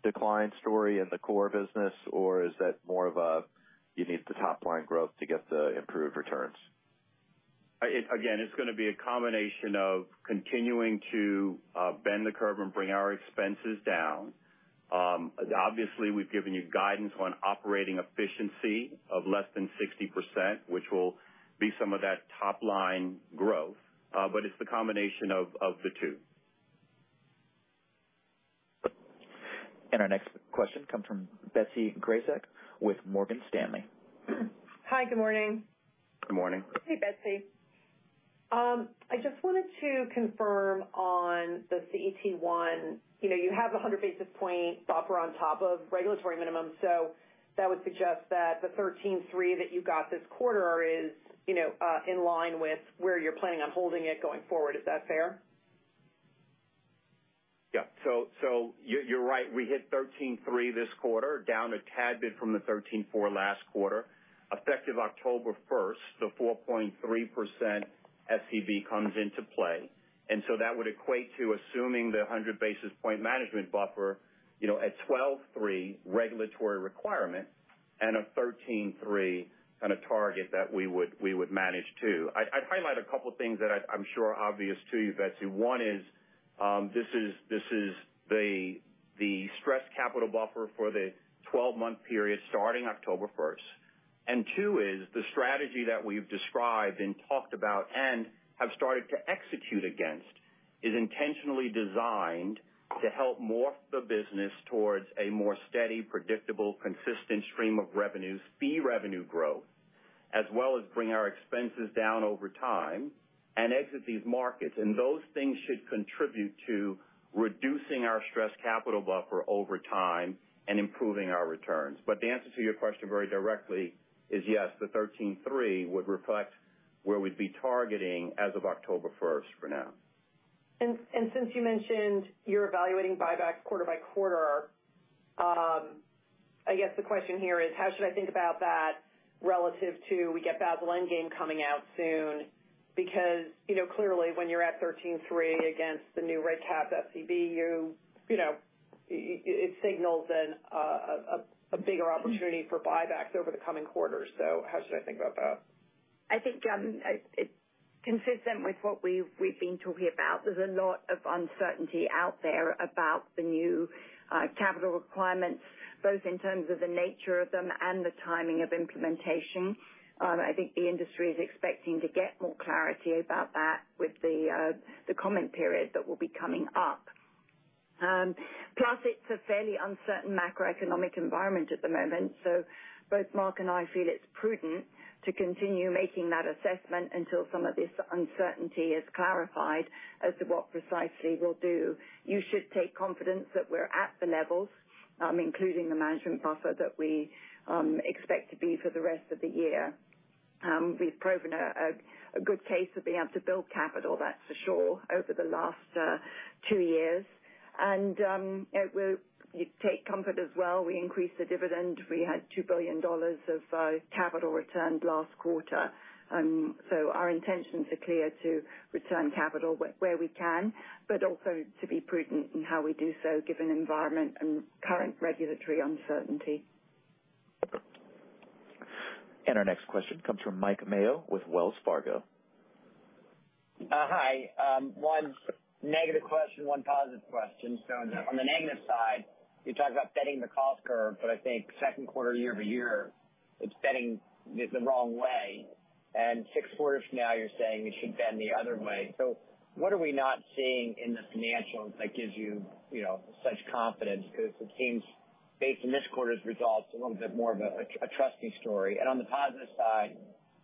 decline story in the core business, or is that more of a, you need the top line growth to get the improved returns?
It, again, it's going to be a combination of continuing to bend the curve and bring our expenses down. Obviously, we've given you guidance on operating efficiency of less than 60%, which will be some of that top line growth, it's the combination of the two.
Our next question comes from Betsy Graseck with Morgan Stanley.
Hi, good morning.
Good morning.
Hey, Betsy.
I just wanted to confirm on the CET1. You know, you have a 100 basis point buffer on top of regulatory minimum, so that would suggest that the 13.3% that you got this quarter is, you know, in line with where you're planning on holding it going forward. Is that fair?
Yeah. You're, you're right. We hit 13.3% this quarter, down a tad bit from the 13.4% last quarter. Effective October first, the 4.3% SCB comes into play, that would equate to assuming the 100 basis point management buffer, you know, at 12.3% regulatory requirement and a 13.3% kind of target that we would manage to. I'd highlight a couple of things that I'm sure are obvious to you, Betsy. One is, this is the stress capital buffer for the 12-month period starting October first. Two is the strategy that we've described and talked about and have started to execute against, is intentionally designed to help morph the business towards a more steady, predictable, consistent stream of revenues, fee revenue growth, as well as bring our expenses down over time and exit these markets. Those things should contribute to reducing our stress capital buffer over time and improving our returns. The answer to your question very directly is yes, the 13.3% would reflect where we'd be targeting as of October first for now.
Since you mentioned you're evaluating buybacks quarter by quarter, I guess the question here is how should I think about that relative to we get Basel end game coming out soon? You know, clearly when you're at 13.3% against the new rate cap SCB, it signals a bigger opportunity for buybacks over the coming quarters. How should I think about that?
I think it's consistent with what we've been talking about. There's a lot of uncertainty out there about the new capital requirements, both in terms of the nature of them and the timing of implementation. I think the industry is expecting to get more clarity about that with the comment period that will be coming up. Plus, it's a fairly uncertain macroeconomic environment at the moment, so both Mark and I feel it's prudent to continue making that assessment until some of this uncertainty is clarified as to what precisely we'll do. You should take confidence that we're at the levels, including the management buffer, that we expect to be for the rest of the year. We've proven a good case of being able to build capital, that's for sure, over the last two years. You take comfort as well, we increased the dividend. We had $2 billion of capital returned last quarter. Our intentions are clear to return capital where we can, but also to be prudent in how we do so, given environment and current regulatory uncertainty.
Our next question comes from Mike Mayo with Wells Fargo.
Hi. One negative question, one positive question. On the negative side, you talked about bending the cost curve, but I think second quarter year-over-year, it's bending the wrong way. Six quarters from now, you're saying it should bend the other way. What are we not seeing in the financials that gives you know, such confidence? It seems, based on this quarter's results, a little bit more of a trustee story. On the positive side,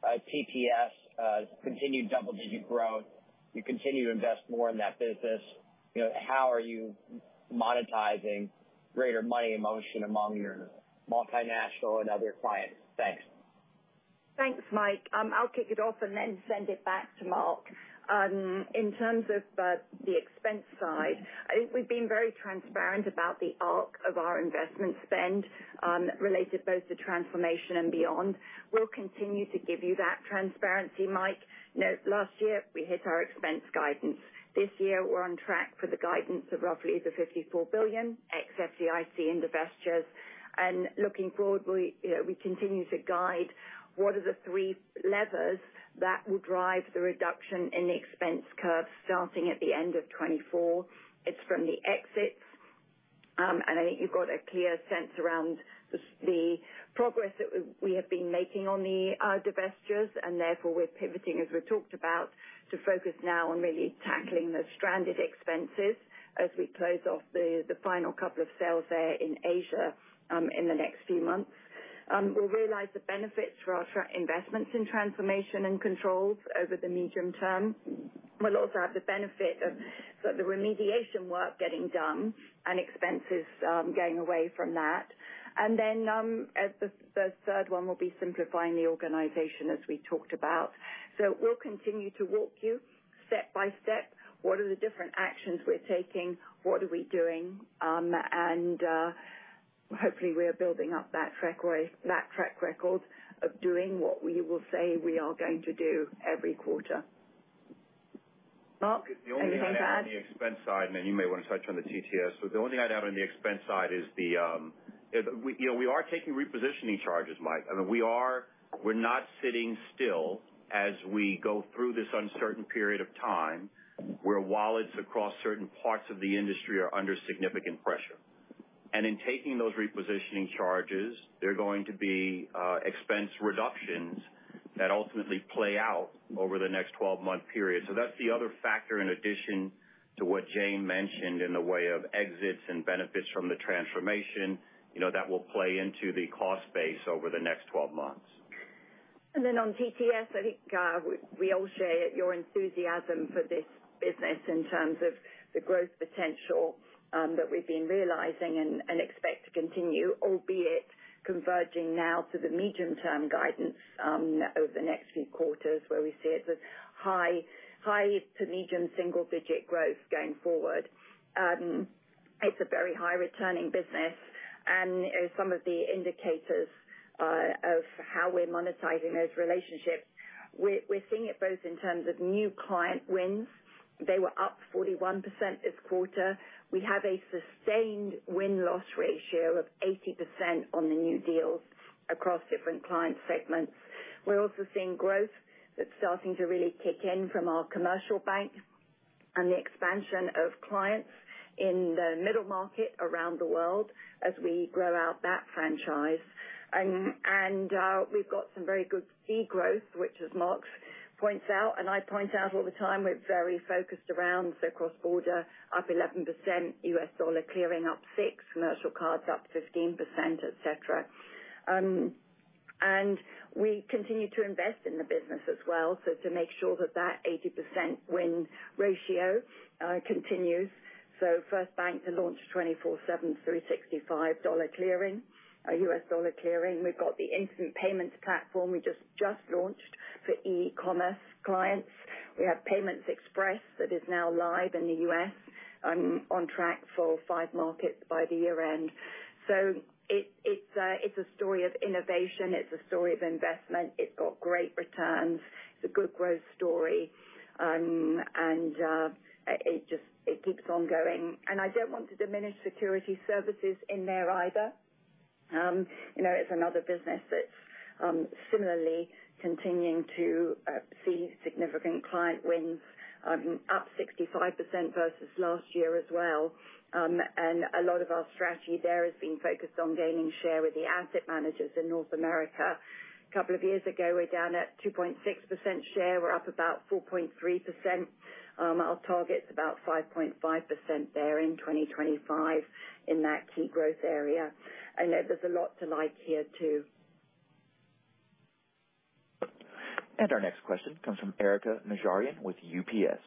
TTS continued double-digit growth. You continue to invest more in that business. You know, how are you monetizing greater money in motion among your multinational and other clients? Thanks.
Thanks, Mike. I'll kick it off and then send it back to Mark. In terms of the expense side, I think we've been very transparent about the arc of our investment spend, related both to transformation and beyond. We'll continue to give you that transparency, Mike. Note, last year, we hit our expense guidance. This year, we're on track for the guidance of roughly the $54 billion, ex-FDIC and divestitures. Looking forward, we, you know, we continue to guide what are the three levers that will drive the reduction in the expense curve starting at the end of 2024. It's from the exits. I think you've got a clear sense around the progress that we have been making on the divestitures, therefore we're pivoting, as we talked about, to focus now on really tackling the stranded expenses as we close off the final couple of sales there in Asia in the next few months. We'll realize the benefits for our investments in transformation and controls over the medium term. We'll also have the benefit of, sort of, the remediation work getting done and expenses going away from that. Then, as the third one will be simplifying the organization, as we talked about. We'll continue to walk you step by step, what are the different actions we're taking? What do we doing? Hopefully, we are building up that track record of doing what we will say we are going to do every quarter. Mark, anything to add?
The only item on the expense side, and then you may want to touch on the TTS, but the only item on the expense side is the, you know, we are taking repositioning charges, Mike. I mean, we're not sitting still as we go through this uncertain period of time, where wallets across certain parts of the industry are under significant pressure. In taking those repositioning charges, there are going to be expense reductions that ultimately play out over the next 12-month period. That's the other factor in addition to what Jane mentioned, in the way of exits and benefits from the transformation, you know, that will play into the cost base over the next 12 months.
On TTS, I think we all share your enthusiasm for this business in terms of the growth potential that we've been realizing and expect to continue, albeit converging now to the medium-term guidance over the next few quarters, where we see it as high to medium single digit growth going forward. It's a very high returning business, and, you know, some of the indicators of how we're monetizing those relationships, we're seeing it both in terms of new client wins. They were up 41% this quarter. We have a sustained win-loss ratio of 80% on the new deals across different client segments. We're also seeing growth that's starting to really kick in from our commercial bank and the expansion of clients in the middle market around the world as we grow out that franchise. We've got some very good fee growth, which as Mark points out, and I point out all the time, we're very focused around. Cross-border, up 11%, US dollar clearing up 6%, commercial cards up 15%, et cetera. We continue to invest in the business as well, so to make sure that 80% win ratio continues. First bank to launch 24/7, 365 dollar clearing, US dollar clearing. We've got the instant payments platform we just launched for e-commerce clients. We have Payments Express that is now live in the US, on track for five markets by the year end. It's a story of innovation. It's a story of investment. It's got great returns. It's a good growth story. It just keeps on going. I don't want to diminish Security Services in there either. You know, it's another business that's similarly continuing to see significant client wins, up 65% versus last year as well. A lot of our strategy there has been focused on gaining share with the asset managers in North America. A couple of years ago, we were down at 2.6% share. We're up about 4.3%. Our target's about 5.5% there in 2025 in that key growth area. There's a lot to like here, too.
Our next question comes from Erika Najarian with UBS.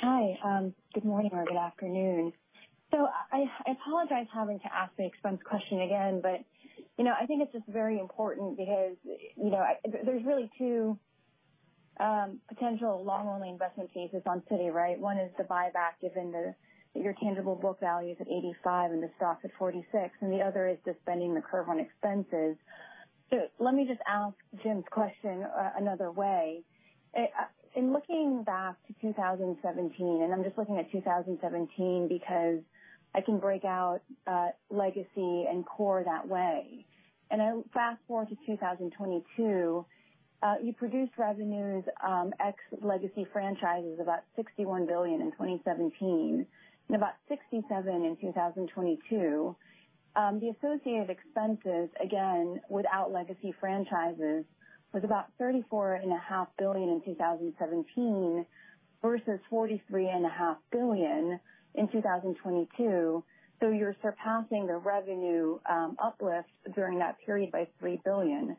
Hi, good morning or good afternoon. I apologize having to ask the expense question again, but, you know, I think it's just very important because, you know, there's really two potential long-only investment cases on Citi, right? One is the buyback, given your tangible book value is at $85 and the stock's at $46, and the other is just bending the curve on expenses. Let me just ask Jim's question another way. In looking back to 2017, and I'm just looking at 2017 because I can break out legacy and core that way. Then fast forward to 2022, you produced revenues, ex legacy franchises about $61 billion in 2017 and about $67 billion in 2022. The associated expenses, again, without legacy franchises, was about $34.5 billion in 2017 versus $43.5 billion in 2022. You're surpassing the revenue uplift during that period by $3 billion.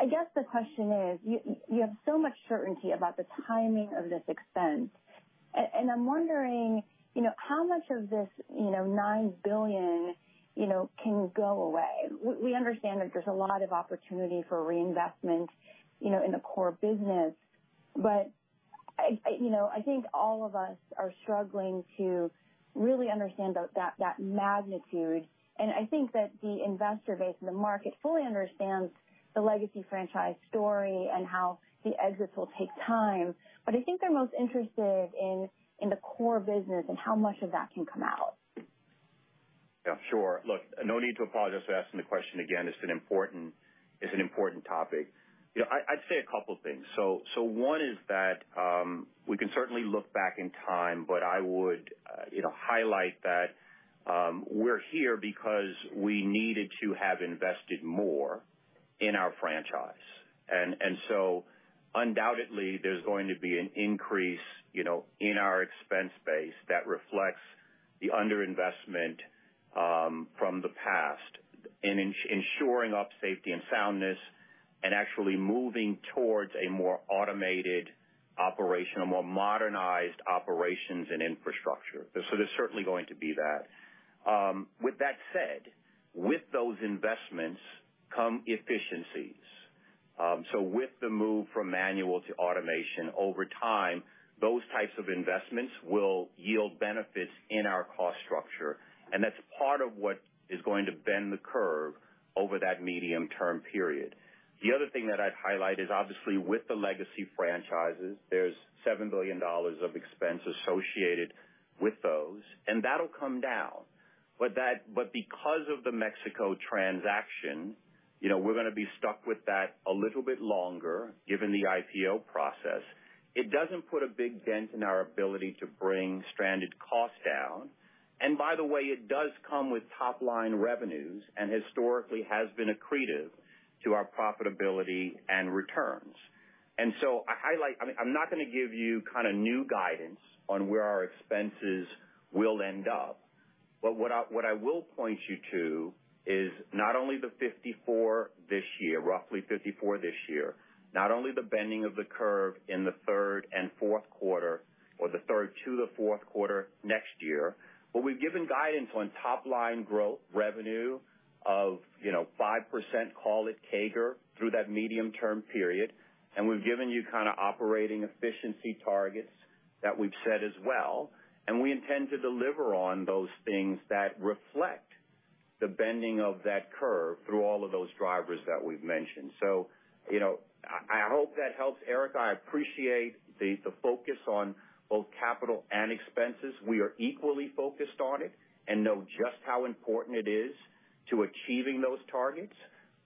I guess the question is, you have so much certainty about the timing of this expense. I'm wondering, you know, how much of this, you know, $9 billion, you know, can go away? We understand that there's a lot of opportunity for reinvestment, you know, in the core business. I, you know, I think all of us are struggling to really understand that magnitude. I think that the investor base and the market fully understands the legacy franchise story and how the exits will take time. I think they're most interested in the core business and how much of that can come out.
Yeah, sure. Look, no need to apologize for asking the question again. It's an important topic. You know, I'd say a couple things. One is that we can certainly look back in time, but I would, you know, highlight that we're here because we needed to have invested more in our franchise. Undoubtedly, there's going to be an increase, you know, in our expense base that reflects the underinvestment from the past in ensuring up safety and soundness and actually moving towards a more automated operation, a more modernized operations and infrastructure. There's certainly going to be that. With that said, with those investments come efficiencies. With the move from manual to automation, over time, those types of investments will yield benefits in our cost structure, and that's part of what is going to bend the curve over that medium-term period. The other thing that I'd highlight is obviously with the legacy franchises, there's $7 billion of expense associated with those, and that'll come down. Because of the Mexico transaction, you know, we're gonna be stuck with that a little bit longer, given the IPO process. It doesn't put a big dent in our ability to bring stranded costs down. By the way, it does come with top-line revenues and historically has been accretive to our profitability and returns. I'm not gonna give you kind of new guidance on where our expenses will end up, but what I will point you to is not only the $54 billion this year, roughly $54 billion this year, not only the bending of the curve in the third and fourth quarter or the third to the fourth quarter next year, but we've given guidance on top line growth revenue of, you know, 5%, call it CAGR, through that medium-term period. We've given you kind of operating efficiency targets that we've set as well, and we intend to deliver on those things that reflect the bending of that curve through all of those drivers that we've mentioned. You know, I hope that helps, Erika. I appreciate the focus on both capital and expenses. We are equally focused on it and know just how important it is to achieving those targets.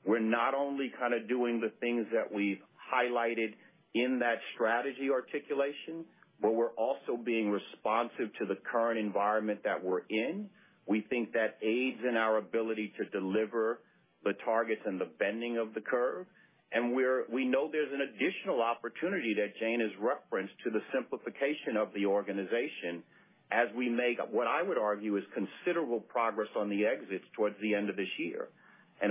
We're not only kind of doing the things that we've highlighted in that strategy articulation, but we're also being responsive to the current environment that we're in. We think that aids in our ability to deliver the targets and the bending of the curve. We know there's an additional opportunity that Jane has referenced to the simplification of the organization as we make, what I would argue, is considerable progress on the exits towards the end of this year.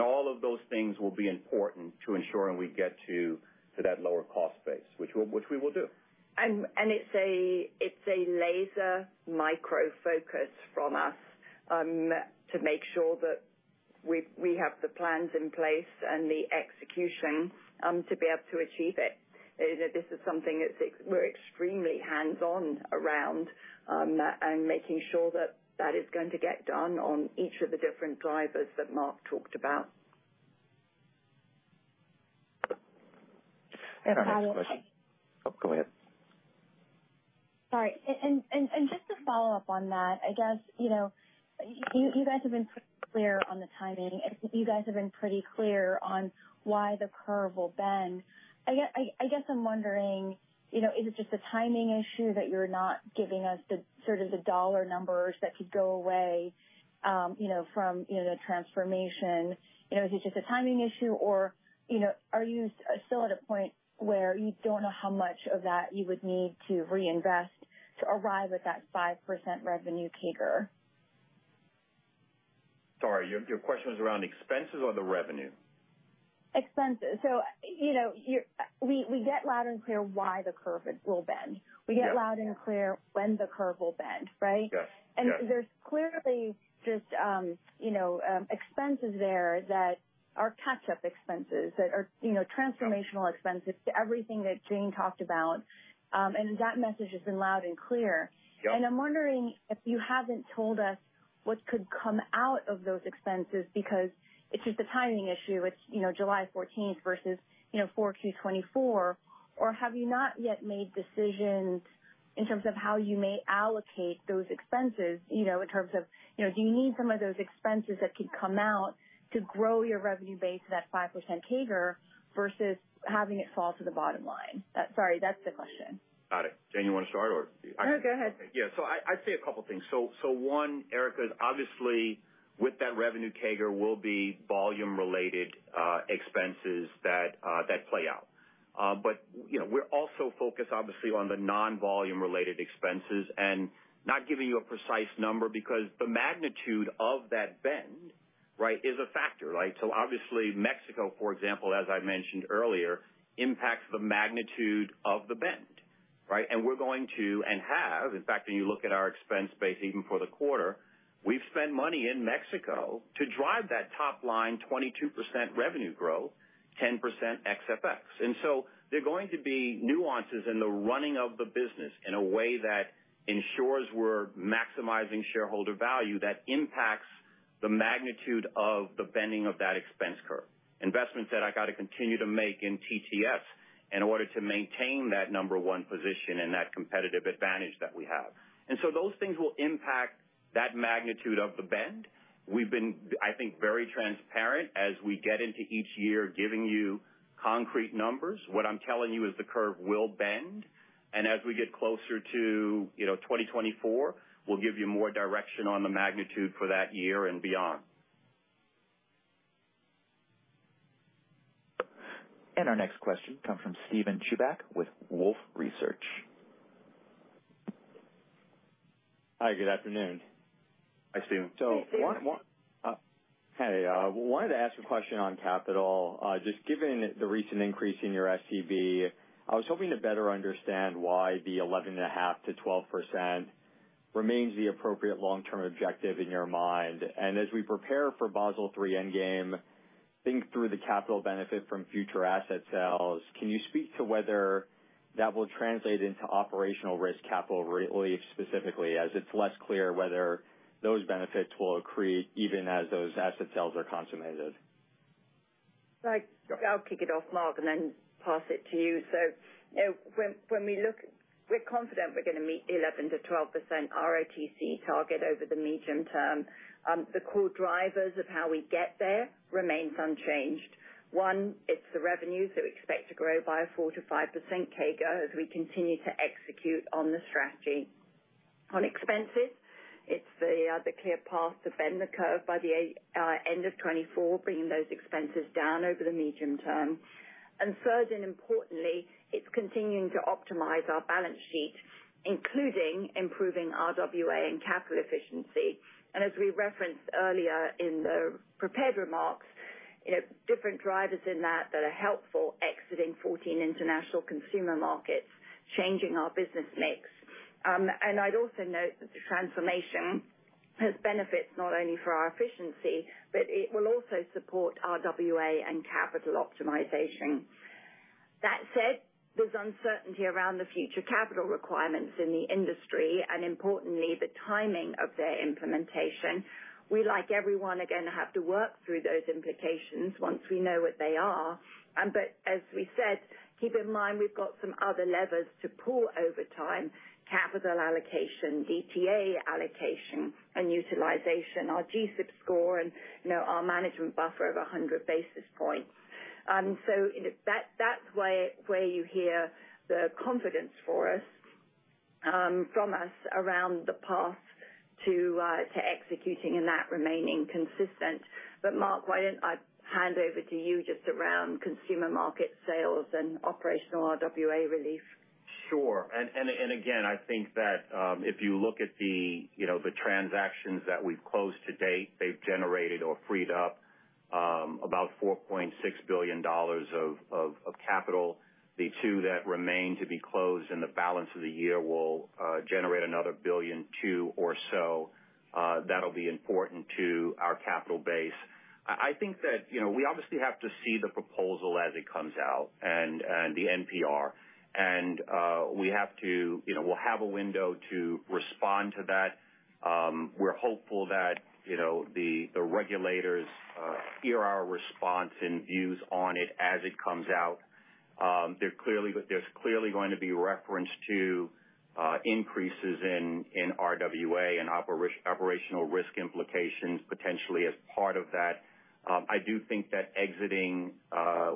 All of those things will be important to ensuring we get to that lower cost base, which we will do.
It's a laser micro focus from us to make sure that we have the plans in place and the execution to be able to achieve it. This is something that's we're extremely hands-on around and making sure that is going to get done on each of the different drivers that Mark talked about. Go ahead.
Sorry. Just to follow up on that, I guess, you know, you guys have been pretty clear on the timing, and you guys have been pretty clear on why the curve will bend. I guess I'm wondering, you know, is it just a timing issue that you're not giving us the sort of the dollar numbers that could go away, you know, from, you know, the transformation? You know, is it just a timing issue or, you know, are you still at a point where you don't know how much of that you would need to reinvest to arrive at that 5% revenue CAGR?
Sorry, your question was around expenses or the revenue?
Expenses. you know, we get loud and clear why the curve will bend.
Yes.
We get loud and clear when the curve will bend, right?
Yes. Yes.
There's clearly just, you know, expenses there that are catch-up expenses, that are, you know. Transformational expenses to everything that Jane talked about. That message has been loud and clear.
Yep.
I'm wondering if you haven't told us what could come out of those expenses because it's just a timing issue. It's, you know, July 14th versus, you know, 4Q 2024, or have you not yet made decisions in terms of how you may allocate those expenses, you know, in terms of, you know, do you need some of those expenses that could come out to grow your revenue base to that 5% CAGR versus having it fall to the bottom line? Sorry, that's the question.
Got it. Jane, you want to start, or I can?
No, go ahead.
I'd say a couple things. So one, Erika, obviously, with that revenue, CAGR will be volume-related expenses that play out. You know, we're also focused obviously on the non-volume related expenses and not giving you a precise number because the magnitude of that bend, right, is a factor, right? Obviously, Mexico, for example, as I mentioned earlier, impacts the magnitude of the bend, right? We're going to and have, in fact, when you look at our expense base, even for the quarter, we've spent money in Mexico to drive that top line 22% revenue growth, 10% ex-FX. There are going to be nuances in the running of the business in a way that ensures we're maximizing shareholder value that impacts the magnitude of the bending of that expense curve. Investments that I got to continue to make in TTS in order to maintain that number one position and that competitive advantage that we have. Those things will impact that magnitude of the bend. We've been, I think, very transparent as we get into each year, giving you concrete numbers. What I'm telling you is the curve will bend, and as we get closer to, you know, 2024, we'll give you more direction on the magnitude for that year and beyond.
Our next question comes from Steven Chubak with Wolfe Research.
Hi, good afternoon.
Hi, Steven.
Hey, wanted to ask a question on capital. Just given the recent increase in your SCB, I was hoping to better understand why the 11.5%-12% remains the appropriate long-term objective in your mind. As we prepare for Basel III endgame, think through the capital benefit from future asset sales, can you speak to whether that will translate into operational risk capital relief, specifically, as it's less clear whether those benefits will accrete even as those asset sales are consummated?
I'll kick it off, Mark, and then pass it to you. You know, when we look, we're confident we're going to meet 11%-12% RoTCE target over the medium term. The core drivers of how we get there remains unchanged. One, it's the revenue, we expect to grow by a 4%-5% CAGR as we continue to execute on the strategy. On expenses, it's the clear path to bend the curve by the end of 2024, bringing those expenses down over the medium term. Third, and importantly, it's continuing to optimize our balance sheet, including improving RWA and capital efficiency. As we referenced earlier in the prepared remarks, you know, different drivers in that that are helpful, exiting 14 international consumer markets, changing our business mix. I'd also note that the transformation has benefits not only for our efficiency, but it will also support RWA and capital optimization. That said, there's uncertainty around the future capital requirements in the industry and importantly, the timing of their implementation. We, like everyone, are going to have to work through those implications once we know what they are. As we said, keep in mind, we've got some other levers to pull over time, capital allocation, DTA allocation and utilization, our G-SIB score and, you know, our management buffer of 100 basis points. That's why, where you hear the confidence for us, from us around the path to executing and that remaining consistent. Mark, why don't I hand over to you just around consumer market sales and operational RWA relief?
Sure. Again, I think that, if you look at the, you know, the transactions that we've closed to date, they've generated or freed up, about $4.6 billion of capital. The two that remain to be closed in the balance of the year will generate another $1.2 billion or so. That'll be important to our capital base. I think that, you know, we obviously have to see the proposal as it comes out and the NPR. We have to, you know, we'll have a window to respond to that. We're hopeful that, you know, the regulators hear our response and views on it as it comes out. There's clearly going to be reference to increases in RWA and operational risk implications potentially as part of that. I do think that exiting,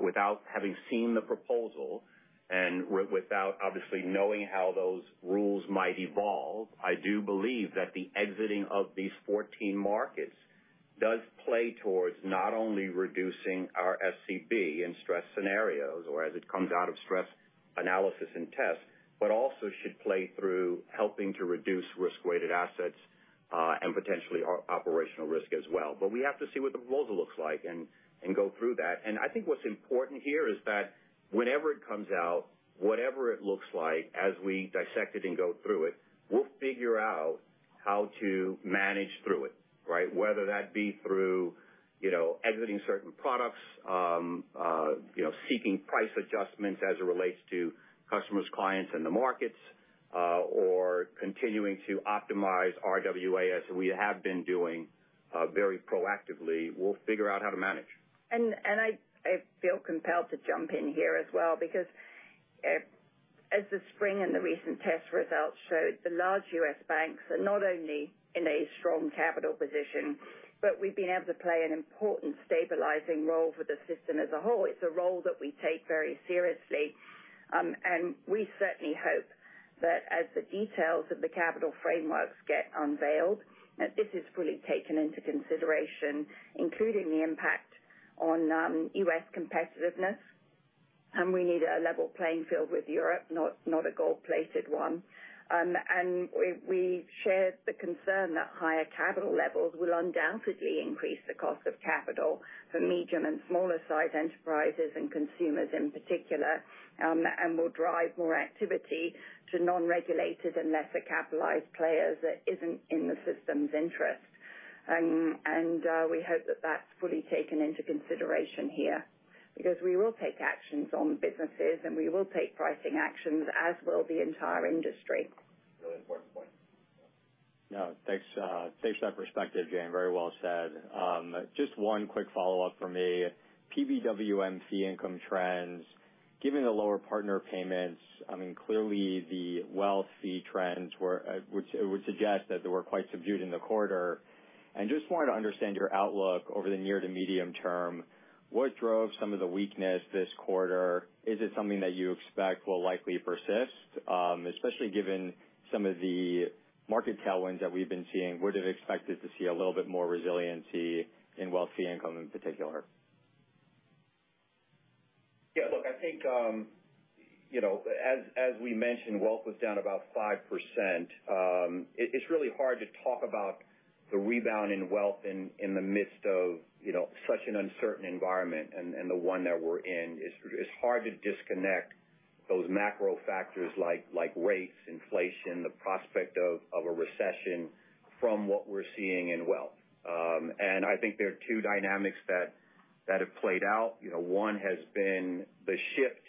without having seen the proposal and without obviously knowing how those rules might evolve, I do believe that the exiting of these fourteen markets-... does play towards not only reducing our SCB in stress scenarios or as it comes out of stress analysis and tests, but also should play through helping to reduce risk-weighted assets, and potentially our operational risk as well. We have to see what the proposal looks like and go through that. I think what's important here is that whenever it comes out, whatever it looks like, as we dissect it and go through it, we'll figure out how to manage through it, right? Whether that be through, you know, exiting certain products, you know, seeking price adjustments as it relates to customers, clients in the markets, or continuing to optimize RWAS, we have been doing very proactively. We'll figure out how to manage.
I feel compelled to jump in here as well, because as the spring and the recent test results showed, the large U.S. banks are not only in a strong capital position, but we've been able to play an important stabilizing role for the system as a whole. It's a role that we take very seriously. We certainly hope that as the details of the capital frameworks get unveiled, that this is fully taken into consideration, including the impact on U.S. competitiveness. We need a level playing field with Europe, not a gold-plated one. We share the concern that higher capital levels will undoubtedly increase the cost of capital for medium and smaller-sized enterprises and consumers in particular, and will drive more activity to non-regulated and lesser capitalized players that isn't in the system's interest. We hope that that's fully taken into consideration here, because we will take actions on businesses, and we will take pricing actions, as will the entire industry.
Really important point.
No, thanks for that perspective, Jane. Very well said. Just one quick follow-up for me. PBWM fee income trends, given the lower partner payments, I mean, clearly the wealthy trends were, which would suggest that they were quite subdued in the quarter. Just wanted to understand your outlook over the near to medium term. What drove some of the weakness this quarter? Is it something that you expect will likely persist? Especially given some of the market tailwinds that we've been seeing, would it expect us to see a little bit more resiliency in wealthy income in particular?
Yeah, look, I think, you know, as we mentioned, wealth was down about 5%. It's really hard to talk about the rebound in wealth in the midst of, you know, such an uncertain environment, and the one that we're in. It's hard to disconnect those macro factors like rates, inflation, the prospect of a recession from what we're seeing in wealth. I think there are two dynamics that have played out. You know, one has been the shift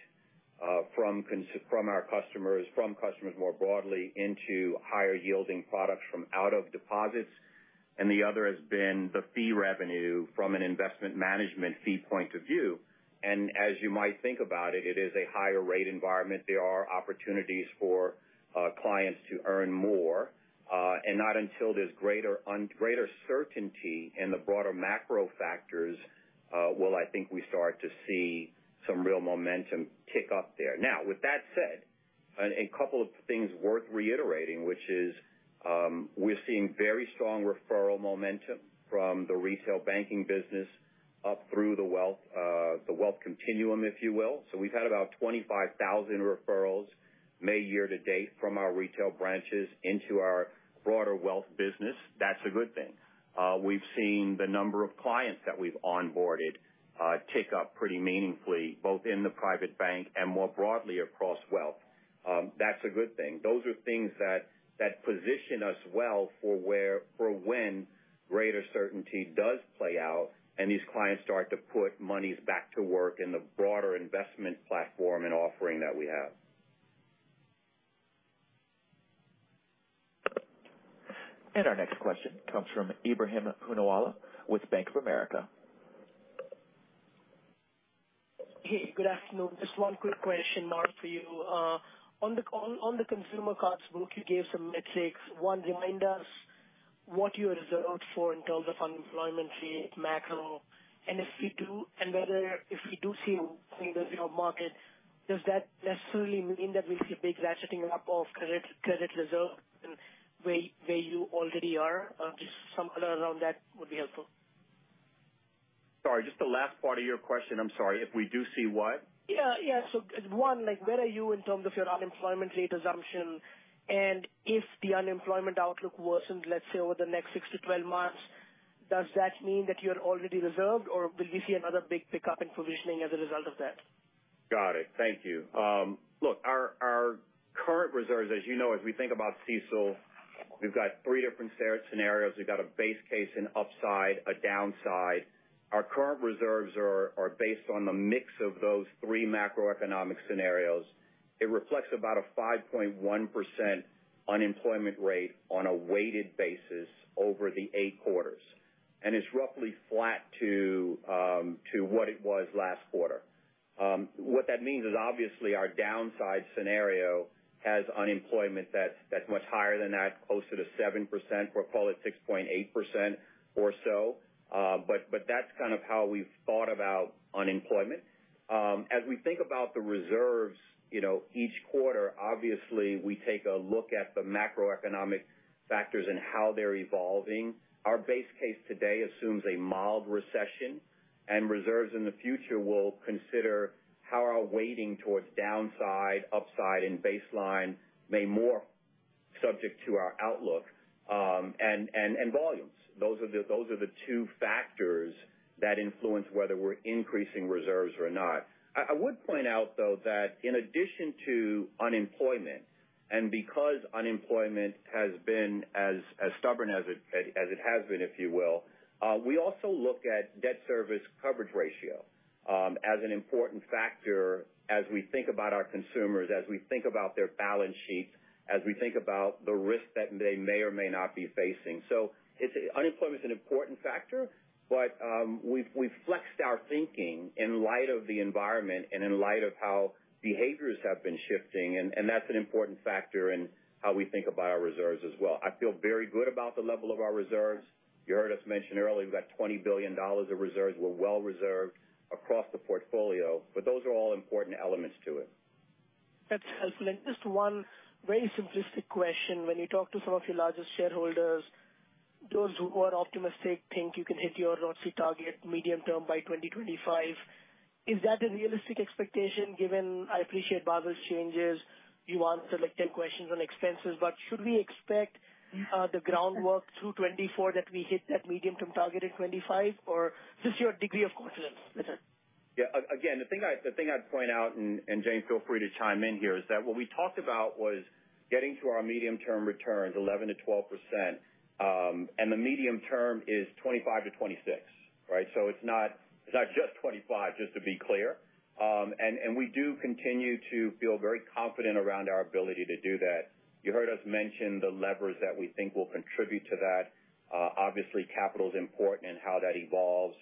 from our customers, from customers more broadly into higher yielding products from out of deposits, and the other has been the fee revenue from an investment management fee point of view. As you might think about it is a higher rate environment. There are opportunities for clients to earn more, and not until there's greater certainty in the broader macro factors, will I think we start to see some real momentum tick up there. Now, with that said, and a couple of things worth reiterating, which is, we're seeing very strong referral momentum from the retail banking business up through the wealth, the wealth continuum, if you will. We've had about 25,000 referrals may year to date from our retail branches into our broader wealth business. That's a good thing. We've seen the number of clients that we've onboarded, tick up pretty meaningfully, both in the private bank and more broadly across wealth. That's a good thing. Those are things that position us well for when greater certainty does play out, and these clients start to put monies back to work in the broader investment platform and offering that we have.
Our next question comes from Ebrahim Poonawala with Bank of America.
Hey, good afternoon. Just one quick question, Mark, for you. On the consumer cards book, you gave some metrics. One, remind us what you reserved for in terms of unemployment rate, macro, and if we do... Whether if we do see in the market, does that necessarily mean that we see a big ratcheting up of credit reserve than where you already are? Just some color around that would be helpful.
Sorry, just the last part of your question. I'm sorry. If we do see what?
Yeah. One, like, where are you in terms of your unemployment rate assumption? If the unemployment outlook worsened, let's say over the next six to 12 months, does that mean that you're already reserved, or will we see another big pickup in provisioning as a result of that?
Got it. Thank you. Look, our current reserves, as you know, as we think about CECL, we've got three different scenarios. We've got a base case, an upside, a downside. Our current reserves are based on the mix of those three macroeconomic scenarios. It reflects about a 5.1% unemployment rate on a weighted basis over the eight quarters, and it's roughly flat to what it was last quarter. What that means is obviously our downside scenario has unemployment that's much higher than that, closer to 7%, or call it 6.8% or so. That's kind of how we've thought about unemployment. As we think about the reserves, you know, each quarter, obviously, we take a look at the macroeconomic factors and how they're evolving. Our base case today assumes a mild recession. Reserves in the future will consider how our weighting towards downside, upside, and baseline may more subject to our outlook and volumes. Those are the two factors that influence whether we're increasing reserves or not. I would point out, though, that in addition to unemployment. Because unemployment has been as stubborn as it has been, if you will, we also look at debt service coverage ratio as an important factor as we think about our consumers, as we think about their balance sheets, as we think about the risk that they may or may not be facing. Unemployment is an important factor, but we've flexed our thinking in light of the environment and in light of how behaviors have been shifting, and that's an important factor in how we think about our reserves as well. I feel very good about the level of our reserves. You heard us mention earlier, we've got $20 billion of reserves. We're well reserved across the portfolio, but those are all important elements to it.
That's helpful. Just one very simplistic question. When you talk to some of your largest shareholders, those who are optimistic think you can hit your RoTCE target medium term by 2025. Is that a realistic expectation given, I appreciate Basel changes, you answered, like, 10 questions on expenses, but should we expect the groundwork through 2024 that we hit that medium-term target in 2025, or just your degree of confidence?
Yeah. Again, the thing I'd point out, Jane, feel free to chime in here, is that what we talked about was getting to our medium-term returns 11%-12%, and the medium term is 2025-2026, right? It's not just 2025, just to be clear. We do continue to feel very confident around our ability to do that. You heard us mention the levers that we think will contribute to that. Obviously, capital is important and how that evolves,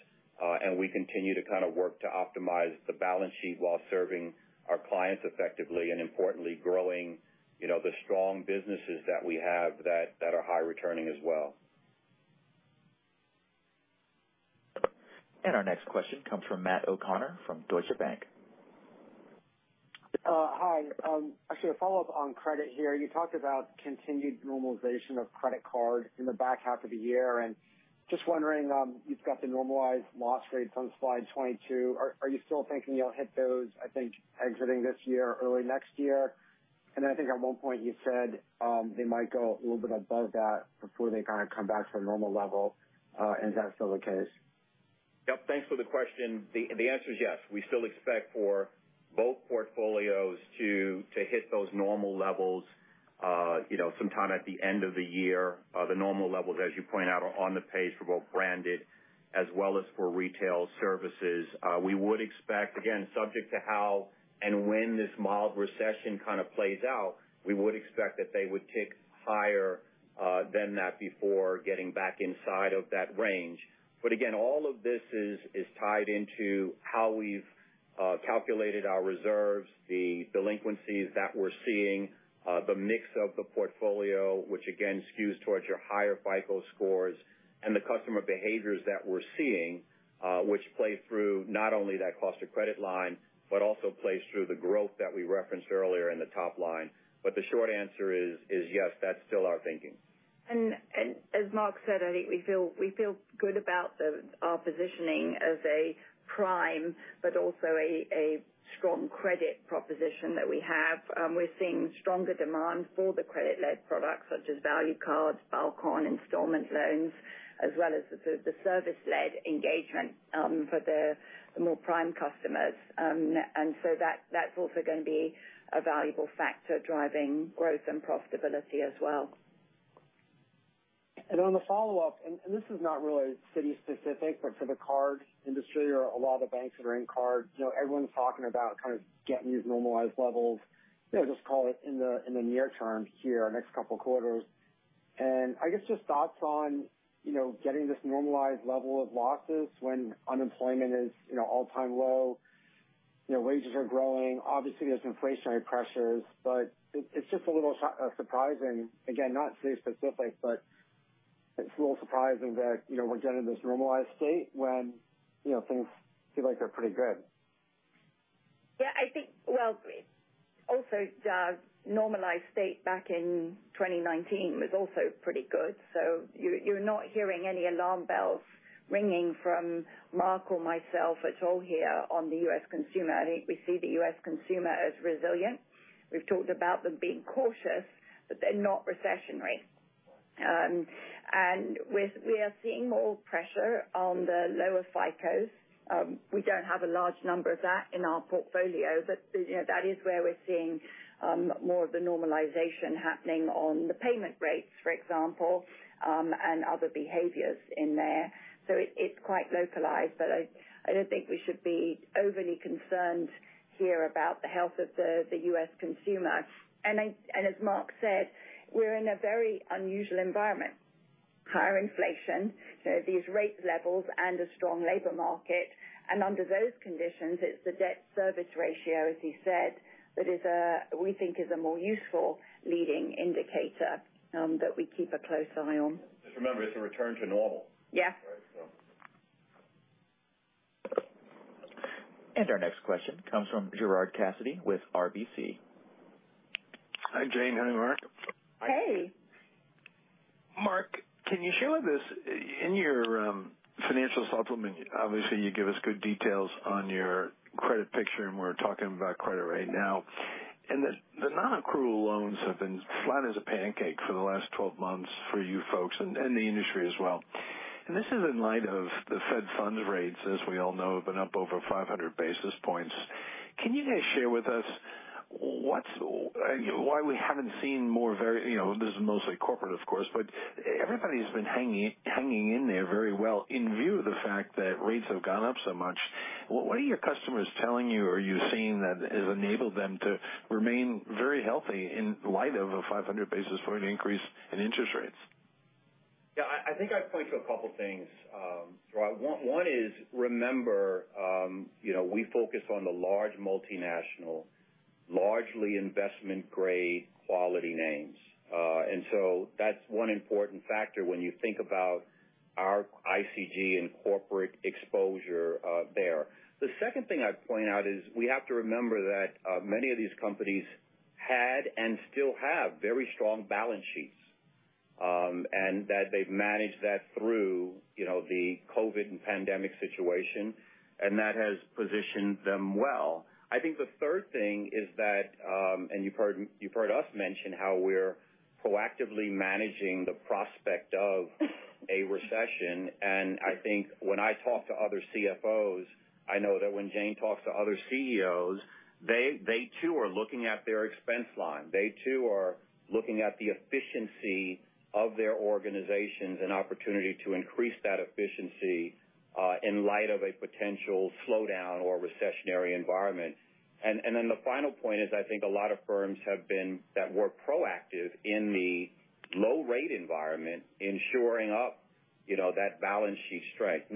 and we continue to kind of work to optimize the balance sheet while serving our clients effectively and importantly, growing, you know, the strong businesses that we have that are high returning as well.
Our next question comes from Matt O'Connor from Deutsche Bank.
Hi. Actually a follow-up on credit here. You talked about continued normalization of credit card in the back half of the year, and just wondering, you've got the normalized loss rates on slide 22. Are you still thinking you'll hit those, I think exiting this year, early next year? I think at one point you said, they might go a little bit above that before they kind of come back to a normal level, and that's still the case.
Yep. Thanks for the question. The answer is yes. We still expect for both portfolios to hit those normal levels, you know, sometime at the end of the year. The normal levels, as you point out, are on the pace for both branded as well as for retail services. We would expect, again, subject to how and when this mild recession kind of plays out, we would expect that they would tick higher than that before getting back inside of that range. Again, all of this is tied into how we've calculated our reserves, the delinquencies that we're seeing, the mix of the portfolio, which again skews towards your higher FICO scores, and the customer behaviors that we're seeing, which play through not only that cost of credit line, but also plays through the growth that we referenced earlier in the top line. The short answer is yes, that's still our thinking.
As Mark said, I think we feel good about our positioning as a prime, but also a strong credit proposition that we have. We're seeing stronger demand for the credit-led products such as value cards, bulk on installment loans, as well as the service-led engagement for the more prime customers. That's also going to be a valuable factor driving growth and profitability as well.
On the follow-up, this is not really Citi specific, but for the card industry or a lot of the banks that are in card, you know, everyone's talking about kind of getting these normalized levels. You know, just call it in the near term here, next couple quarters. I guess just thoughts on, you know, getting this normalized level of losses when unemployment is, you know, all-time low, you know, wages are growing, obviously, there's inflationary pressures, but it's just a little surprising. Again, not Citi specific, but it's a little surprising that, you know, we're getting this normalized state when, you know, things feel like they're pretty good.
Well, also, the normalized state back in 2019 was also pretty good, so you're not hearing any alarm bells ringing from Mark Mason or myself at all here on the U.S. consumer. I think we see the U.S. consumer as resilient. We've talked about them being cautious, but they're not recessionary. We are seeing more pressure on the lower FICOs. We don't have a large number of that in our portfolio, but, you know, that is where we're seeing more of the normalization happening on the payment rates, for example, and other behaviors in there. It's quite localized, but I don't think we should be overly concerned here about the health of the U.S. consumer. As Mark said, we're in a very unusual environment. Higher inflation, you know, these rate levels and a strong labor market, and under those conditions, it's the debt service ratio, as you said, that we think is a more useful leading indicator, that we keep a close eye on.
Just remember, it's a return to normal.
Yeah.
Our next question comes from Gerard Cassidy with RBC.
Hi, Jane. Hi, Mark.
Hey!
Mark, can you share with us, in your financial supplement, obviously, you give us good details on your credit picture, and we're talking about credit right now. The nonaccrual loans have been flat as a pancake for the last 12 months for you folks and the industry as well. This is in light of the Fed funds rates, as we all know, have been up over 500 basis points. Can you guys share with us what's why we haven't seen more very, you know, this is mostly corporate, of course, but everybody's been hanging in there very well in view of the fact that rates have gone up so much. What are your customers telling you or are you seeing that has enabled them to remain very healthy in light of a 500 basis point increase in interest rates?
I think I'd point to a couple things, Gerard. One is remember, you know, we focus on the large multinational, largely investment grade quality names. That's one important factor when you think about our ICG and corporate exposure there. The second thing I'd point out is we have to remember that many of these companies had and still have very strong balance sheets, and that they've managed that through, you know, the COVID and pandemic situation, and that has positioned them well. I think the third thing is that, you've heard us mention how we're proactively managing the prospect of a recession, and I think when I talk to other CFOs, I know that when Jane talks to other CEOs, they too are looking at their expense line. They too are looking at the efficiency of their organizations and opportunity to increase that efficiency in light of a potential slowdown or recessionary environment. Then the final point is, I think a lot of firms that were proactive in the low rate environment in shoring up, you know, that balance sheet strength.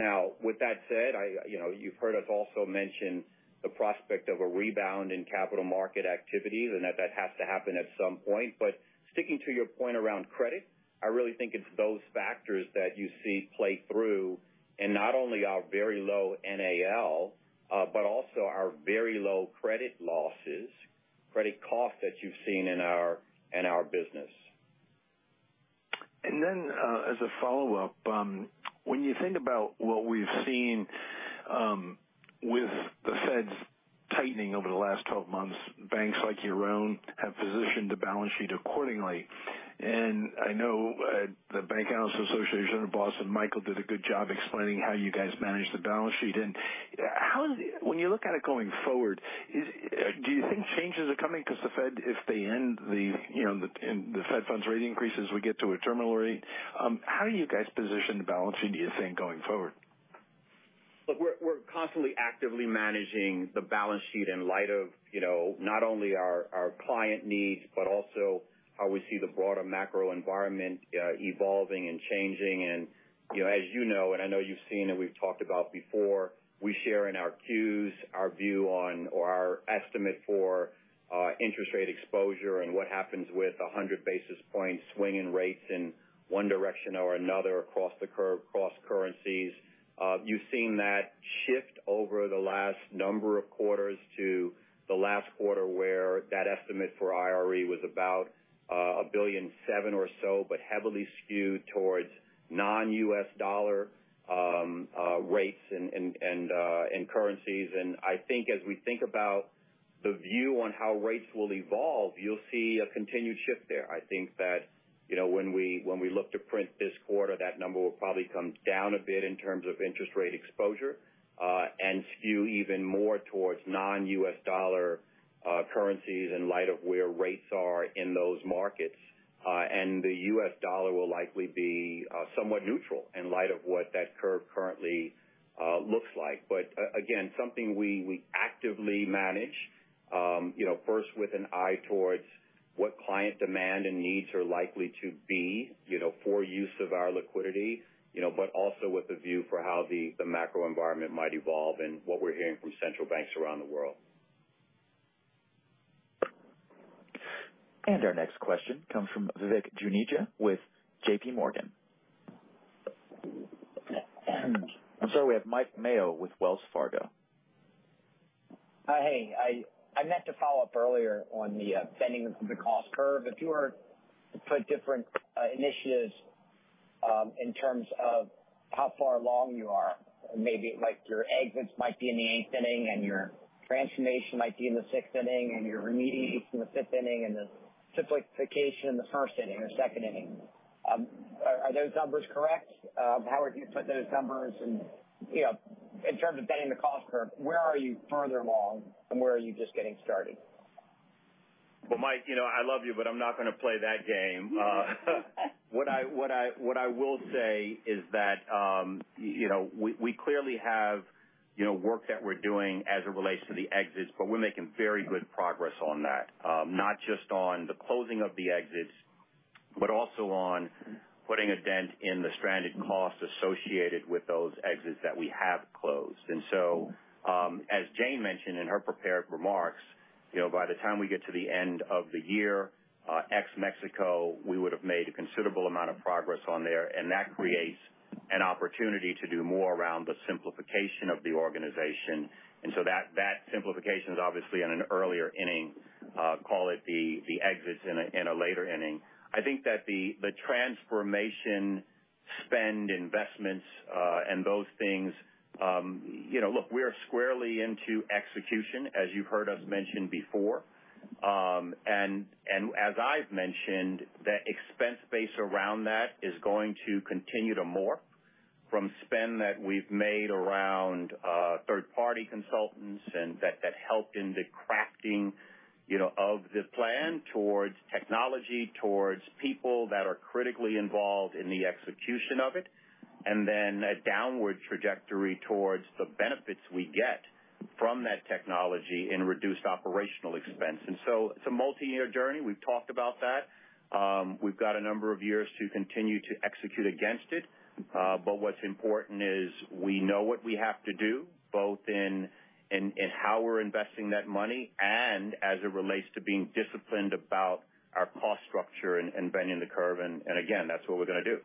With that said, I, you know, you've heard us also mention the prospect of a rebound in capital market activities and that has to happen at some point. Sticking to your point around credit, I really think it's those factors that you see play through in not only our very low NAL, but also our very low credit losses, credit costs that you've seen in our, in our business.
Then, as a follow-up, when you think about what we've seen, with the Fed's tightening over the last 12 months, banks like your own have positioned the balance sheet accordingly. I know at the BancAnalysts Association in Boston, Michael did a good job explaining how you guys manage the balance sheet. How is it when you look at it going forward, do you think changes are coming? The Fed, if they end the, you know, and the Fed funds rate increases, we get to a terminal rate. How do you guys position the balance sheet, do you think, going forward?
Look, we're constantly actively managing the balance sheet in light of, you know, not only our client needs, but also how we see the broader macro environment evolving and changing. As you know, and I know you've seen and we've talked about before, we share in our Qs, our view on or our estimate for interest rate exposure and what happens with 100 basis points swinging rates in one direction or another across the curve, across currencies. You've seen that shift over the last number of quarters to the last quarter, where that estimate for IRE was about $1.7 billion or so, but heavily skewed towards non-U.S. dollar rates and currencies. I think as we think about the view on how rates will evolve, you'll see a continued shift there. I think that, you know, when we look to print this quarter, that number will probably come down a bit in terms of interest rate exposure, and skew even more towards non-US dollar currencies in light of where rates are in those markets. The US dollar will likely be somewhat neutral in light of what that curve currently looks like. Again, something we actively manage, you know, first with an eye towards what client demand and needs are likely to be, you know, for use of our liquidity, you know, but also with a view for how the macro environment might evolve and what we're hearing from central banks around the world.
Our next question comes from Vivek Juneja with J.P. Morgan. I'm sorry, we have Mike Mayo with Wells Fargo.
Hey, I meant to follow up earlier on the bending the cost curve. If you were to put different initiatives, in terms of how far along you are, maybe like your exits might be in the eighth inning, and your transformation might be in the sixth inning, and your remediation in the fifth inning, and the simplification in the first inning or second inning. Are those numbers correct? How would you put those numbers? You know, in terms of bending the cost curve, where are you further along, and where are you just getting started?
Well, Mike, you know, I love you, but I'm not going to play that game. What I will say is that, you know, we clearly have, you know, work that we're doing as it relates to the exits, but we're making very good progress on that. Not just on the closing of the exits, but also on putting a dent in the stranded costs associated with those exits that we have closed. As Jane mentioned in her prepared remarks, you know, by the time we get to the end of the year, ex-Mexico, we would have made a considerable amount of progress on there, and that creates an opportunity to do more around the simplification of the organization. That simplification is obviously in an earlier inning, call it the exits in a later inning. I think that the transformation spend investments, and those things, you know, look, we are squarely into execution, as you've heard us mention before. As I've mentioned, the expense base around that is going to continue to morph from spend that we've made around third-party consultants that helped in the crafting, you know, of the plan towards technology, towards people that are critically involved in the execution of it, and then a downward trajectory towards the benefits we get from that technology in reduced operational expense. It's a multiyear journey. We've talked about that. We've got a number of years to continue to execute against it, but what's important is we know what we have to do, both in how we're investing that money and as it relates to being disciplined about our cost structure and bending the curve. Again, that's what we're gonna do.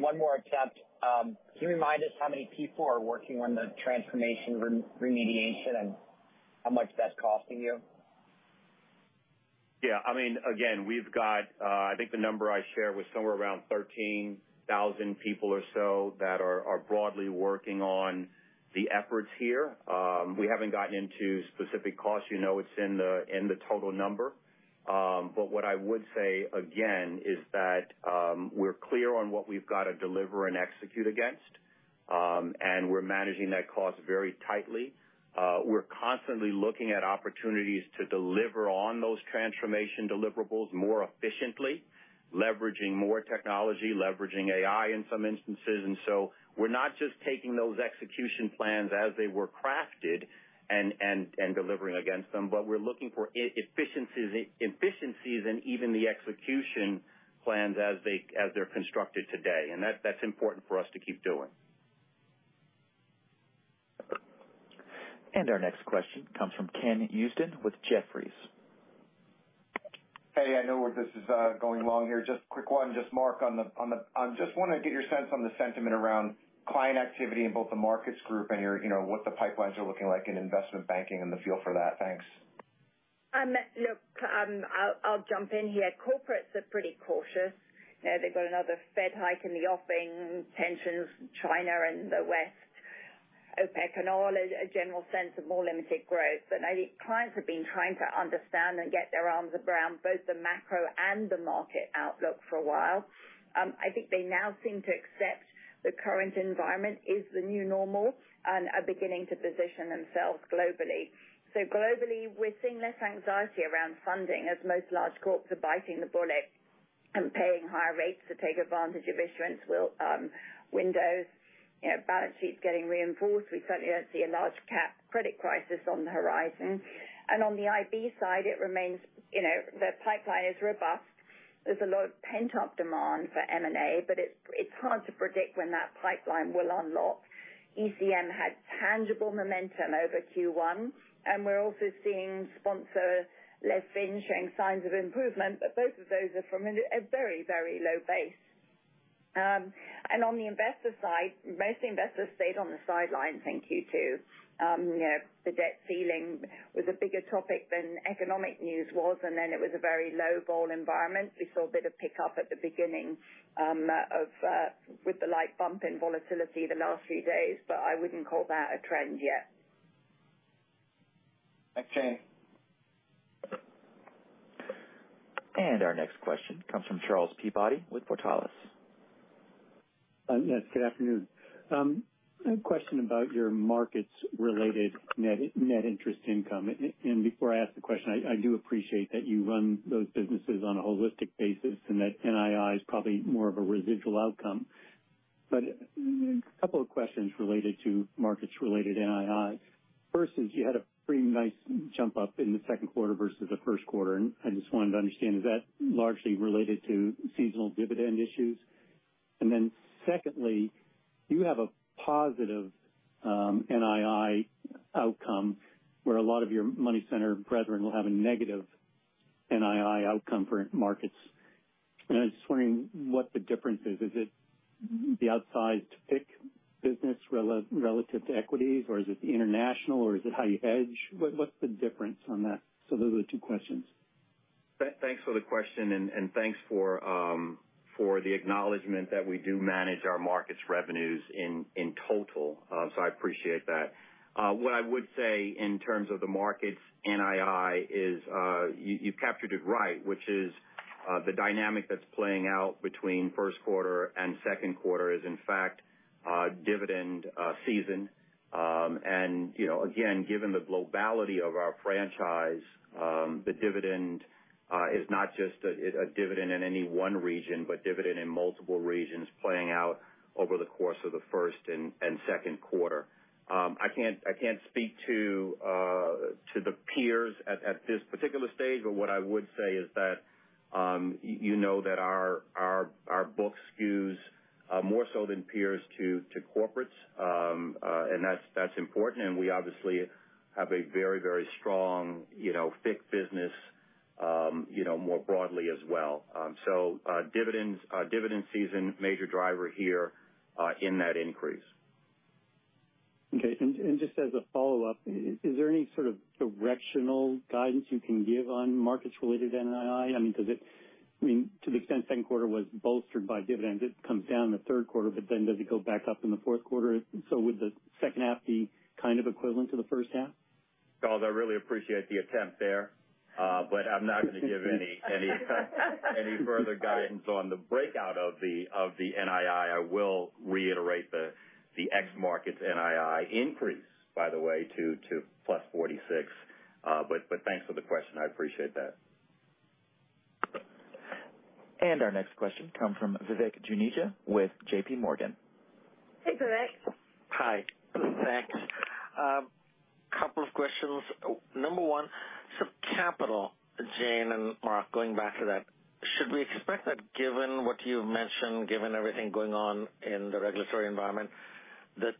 One more attempt. Can you remind us how many people are working on the transformation remediation and how much that's costing you?
Yeah. I mean, again, we've got, I think the number I shared was somewhere around 13,000 people or so that are broadly working on the efforts here. We haven't gotten into specific costs. You know, it's in the, in the total number. What I would say again is that, we're clear on what we've got to deliver and execute against, and we're managing that cost very tightly. We're constantly looking at opportunities to deliver on those transformation deliverables more efficiently, leveraging more technology, leveraging AI in some instances. We're not just taking those execution plans as they were crafted and delivering against them, but we're looking for efficiencies in even the execution plans as they're constructed today. That's important for us to keep doing.
Our next question comes from Ken Usdin with Jefferies.
Hey, I know where this is going along here. Just a quick one, just Mark, on the just want to get your sense on the sentiment around client activity in both the markets group and your, you know, what the pipelines are looking like in investment banking and the feel for that. Thanks.
I'll jump in here. Corporates are pretty cautious. You know, they've got another Fed hike in the offing, tensions, China and the West, OPEC and oil, a general sense of more limited growth. I think clients have been trying to understand and get their arms around both the macro and the market outlook for a while. I think they now seem to accept the current environment is the new normal and are beginning to position themselves globally. Globally, we're seeing less anxiety around funding as most large corps are biting the bullet and paying higher rates to take advantage of issuance wheel, windows, you know, balance sheets getting reinforced. We certainly don't see a large cap credit crisis on the horizon. On the IB side, it remains, you know, the pipeline is robust. There's a lot of pent-up demand for M&A, but it's hard to predict when that pipeline will unlock. ECM had tangible momentum over Q1, and we're also seeing sponsor less fin showing signs of improvement, but both of those are from a very, very low base. On the investor side, most investors stayed on the sidelines in Q2. You know, the debt ceiling was a bigger topic than economic news was, and then it was a very low ball environment. We saw a bit of pickup at the beginning with the light bump in volatility the last few days, but I wouldn't call that a trend yet.
Thanks, Jane.
Our next question comes from Charles Peabody with Portales.
Yes, good afternoon. A question about your markets-related net interest income. Before I ask the question, I do appreciate that you run those businesses on a holistic basis, and that NII is probably more of a residual outcome. A couple of questions related to markets-related NII. First is you had a pretty nice jump up in the second quarter versus the first quarter, and I just wanted to understand, is that largely related to seasonal dividend issues? Secondly, you have a positive NII outcome where a lot of your money center brethren will have a negative NII outcome for markets. I was just wondering what the difference is. Is it the outsized FICC business relative to equities, or is it the international, or is it how you hedge? What's the difference on that? Those are the two questions.
Thanks for the question, and thanks for the acknowledgment that we do manage our markets revenues in total. I appreciate that. What I would say in terms of the markets NII is, you've captured it right, which is, the dynamic that's playing out between first quarter and second quarter is, in fact, dividend season. And, you know, again, given the globality of our franchise, the dividend is not just a dividend in any one region, but dividend in multiple regions playing out over the course of the first and second quarter. I can't speak to the peers at this particular stage, but what I would say is that you know that our book skews more so than peers to corporates. That's important, and we obviously have a very strong, you know, FICC business, you know, more broadly as well. Dividends, dividend season, major driver here, in that increase.
Okay. Just as a follow-up, is there any sort of directional guidance you can give on markets related NII? I mean, to the extent second quarter was bolstered by dividends, it comes down in the third quarter, does it go back up in the fourth quarter? Would the second half be kind of equivalent to the first half?
Charles, I really appreciate the attempt there, but I'm not gonna give any further guidance on the breakout of the NII. I will reiterate the ex-Markets NII increase, by the way, to plus 46. Thanks for the question. I appreciate that.
Our next question comes from Vivek Juneja with J.P. Morgan.
Hey, Vivek.
Hi, thanks. Couple of questions. Number one, capital, Jane and Mark, going back to that, should we expect that given what you've mentioned, given everything going on in the regulatory environment, the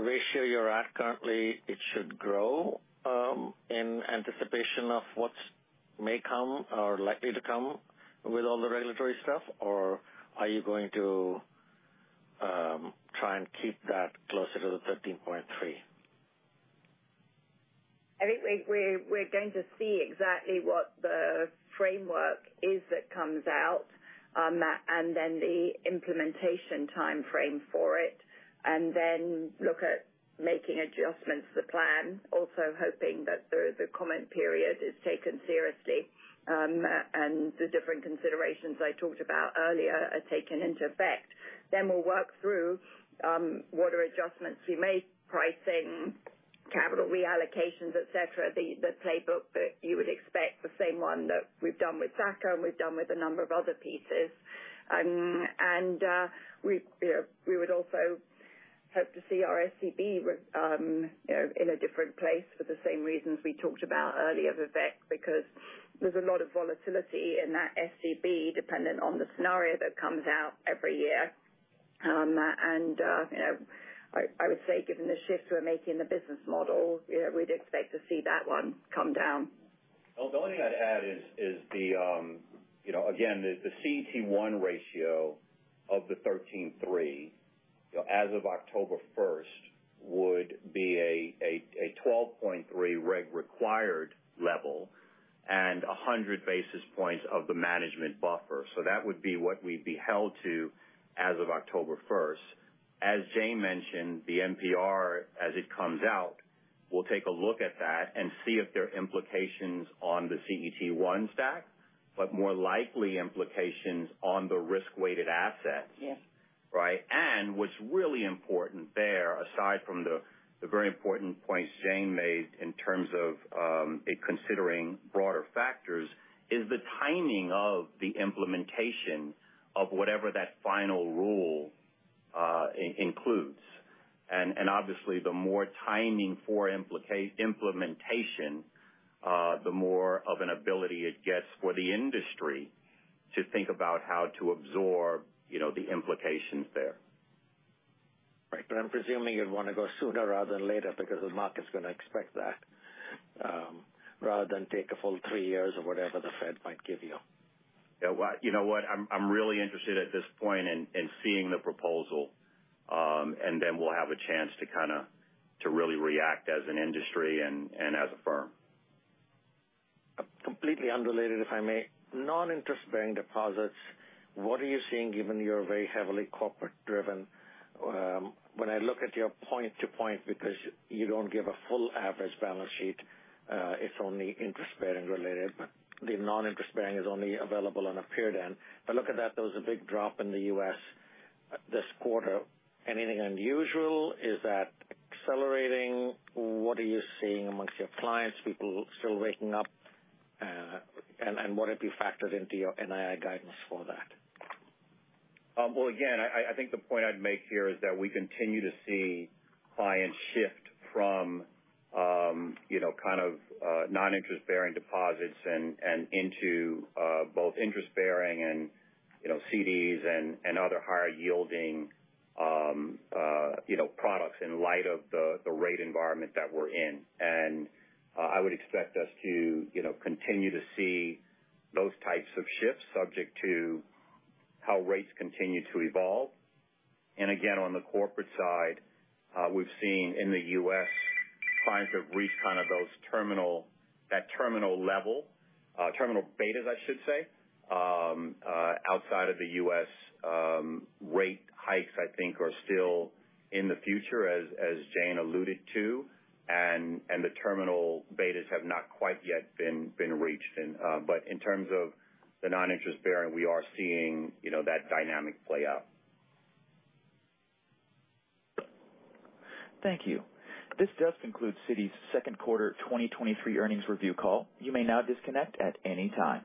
ratio you're at currently, it should grow, in anticipation of what may come or likely to come with all the regulatory stuff? Or are you going to try and keep that closer to the 13.3%?
I think we're going to see exactly what the framework is that comes out, and then the implementation time frame for it, and then look at making adjustments to the plan. Hoping that the comment period is taken seriously, and the different considerations I talked about earlier are taken into effect. We'll work through what are adjustments we make, pricing, capital reallocations, et cetera, the playbook that you would expect, the same one that we've done with SA-CCR, and we've done with a number of other pieces. We, you know, we would also hope to see our SCB, you know, in a different place for the same reasons we talked about earlier, Vivek, because there's a lot of volatility in that SCB dependent on the scenario that comes out every year. You know, I would say, given the shift we're making in the business model, you know, we'd expect to see that one come down.
The only thing I'd add is the, you know, again, the CET1 ratio of the 13.3%, you know, as of October 1st, would be a 12.3% reg required level and 100 basis points of the management buffer. That would be what we'd be held to as of October 1st. As Jane mentioned, the NPR, as it comes out, we'll take a look at that and see if there are implications on the CET1 stack, but more likely implications on the risk-weighted asset.
Yes.
Right. What's really important there, aside from the very important points Jane made in terms of, it considering broader factors, is the timing of the implementation of whatever that final rule includes. Obviously, the more timing for implementation, the more of an ability it gets for the industry to think about how to absorb, you know, the implications there.
Right. I'm presuming you'd want to go sooner rather than later because the market's gonna expect that, rather than take a full three years or whatever the Fed might give you.
Yeah, well, you know what? I'm really interested at this point in seeing the proposal, and then we'll have a chance to kind of really react as an industry and as a firm.
Completely unrelated, if I may. Non-interest-bearing deposits, what are you seeing given you're very heavily corporate driven? When I look at your point to point, because you don't give a full average balance sheet, it's only interest-bearing related. The non-interest bearing is only available on a period end. Look at that, there was a big drop in the U.S. this quarter. Anything unusual? Is that accelerating? What are you seeing amongst your clients? People still waking up, and what have you factored into your NII guidance for that?
Well, again, I think the point I'd make here is that we continue to see clients shift from, you know, kind of, non-interest-bearing deposits and into, both interest-bearing and, you know, CDs and other higher yielding, you know, products in light of the rate environment that we're in. I would expect us to, you know, continue to see those types of shifts, subject to how rates continue to evolve. Again, on the corporate side, we've seen in the U.S., clients have reached kind of those terminal, that terminal level, terminal betas, I should say. Outside of the U.S., rate hikes, I think are still in the future, as Jane alluded to, and the terminal betas have not quite yet been reached. In terms of the non-interest bearing, we are seeing, you know, that dynamic play out.
Thank you. This does conclude Citi's Second Quarter 2023 earnings review call. You may now disconnect at any time.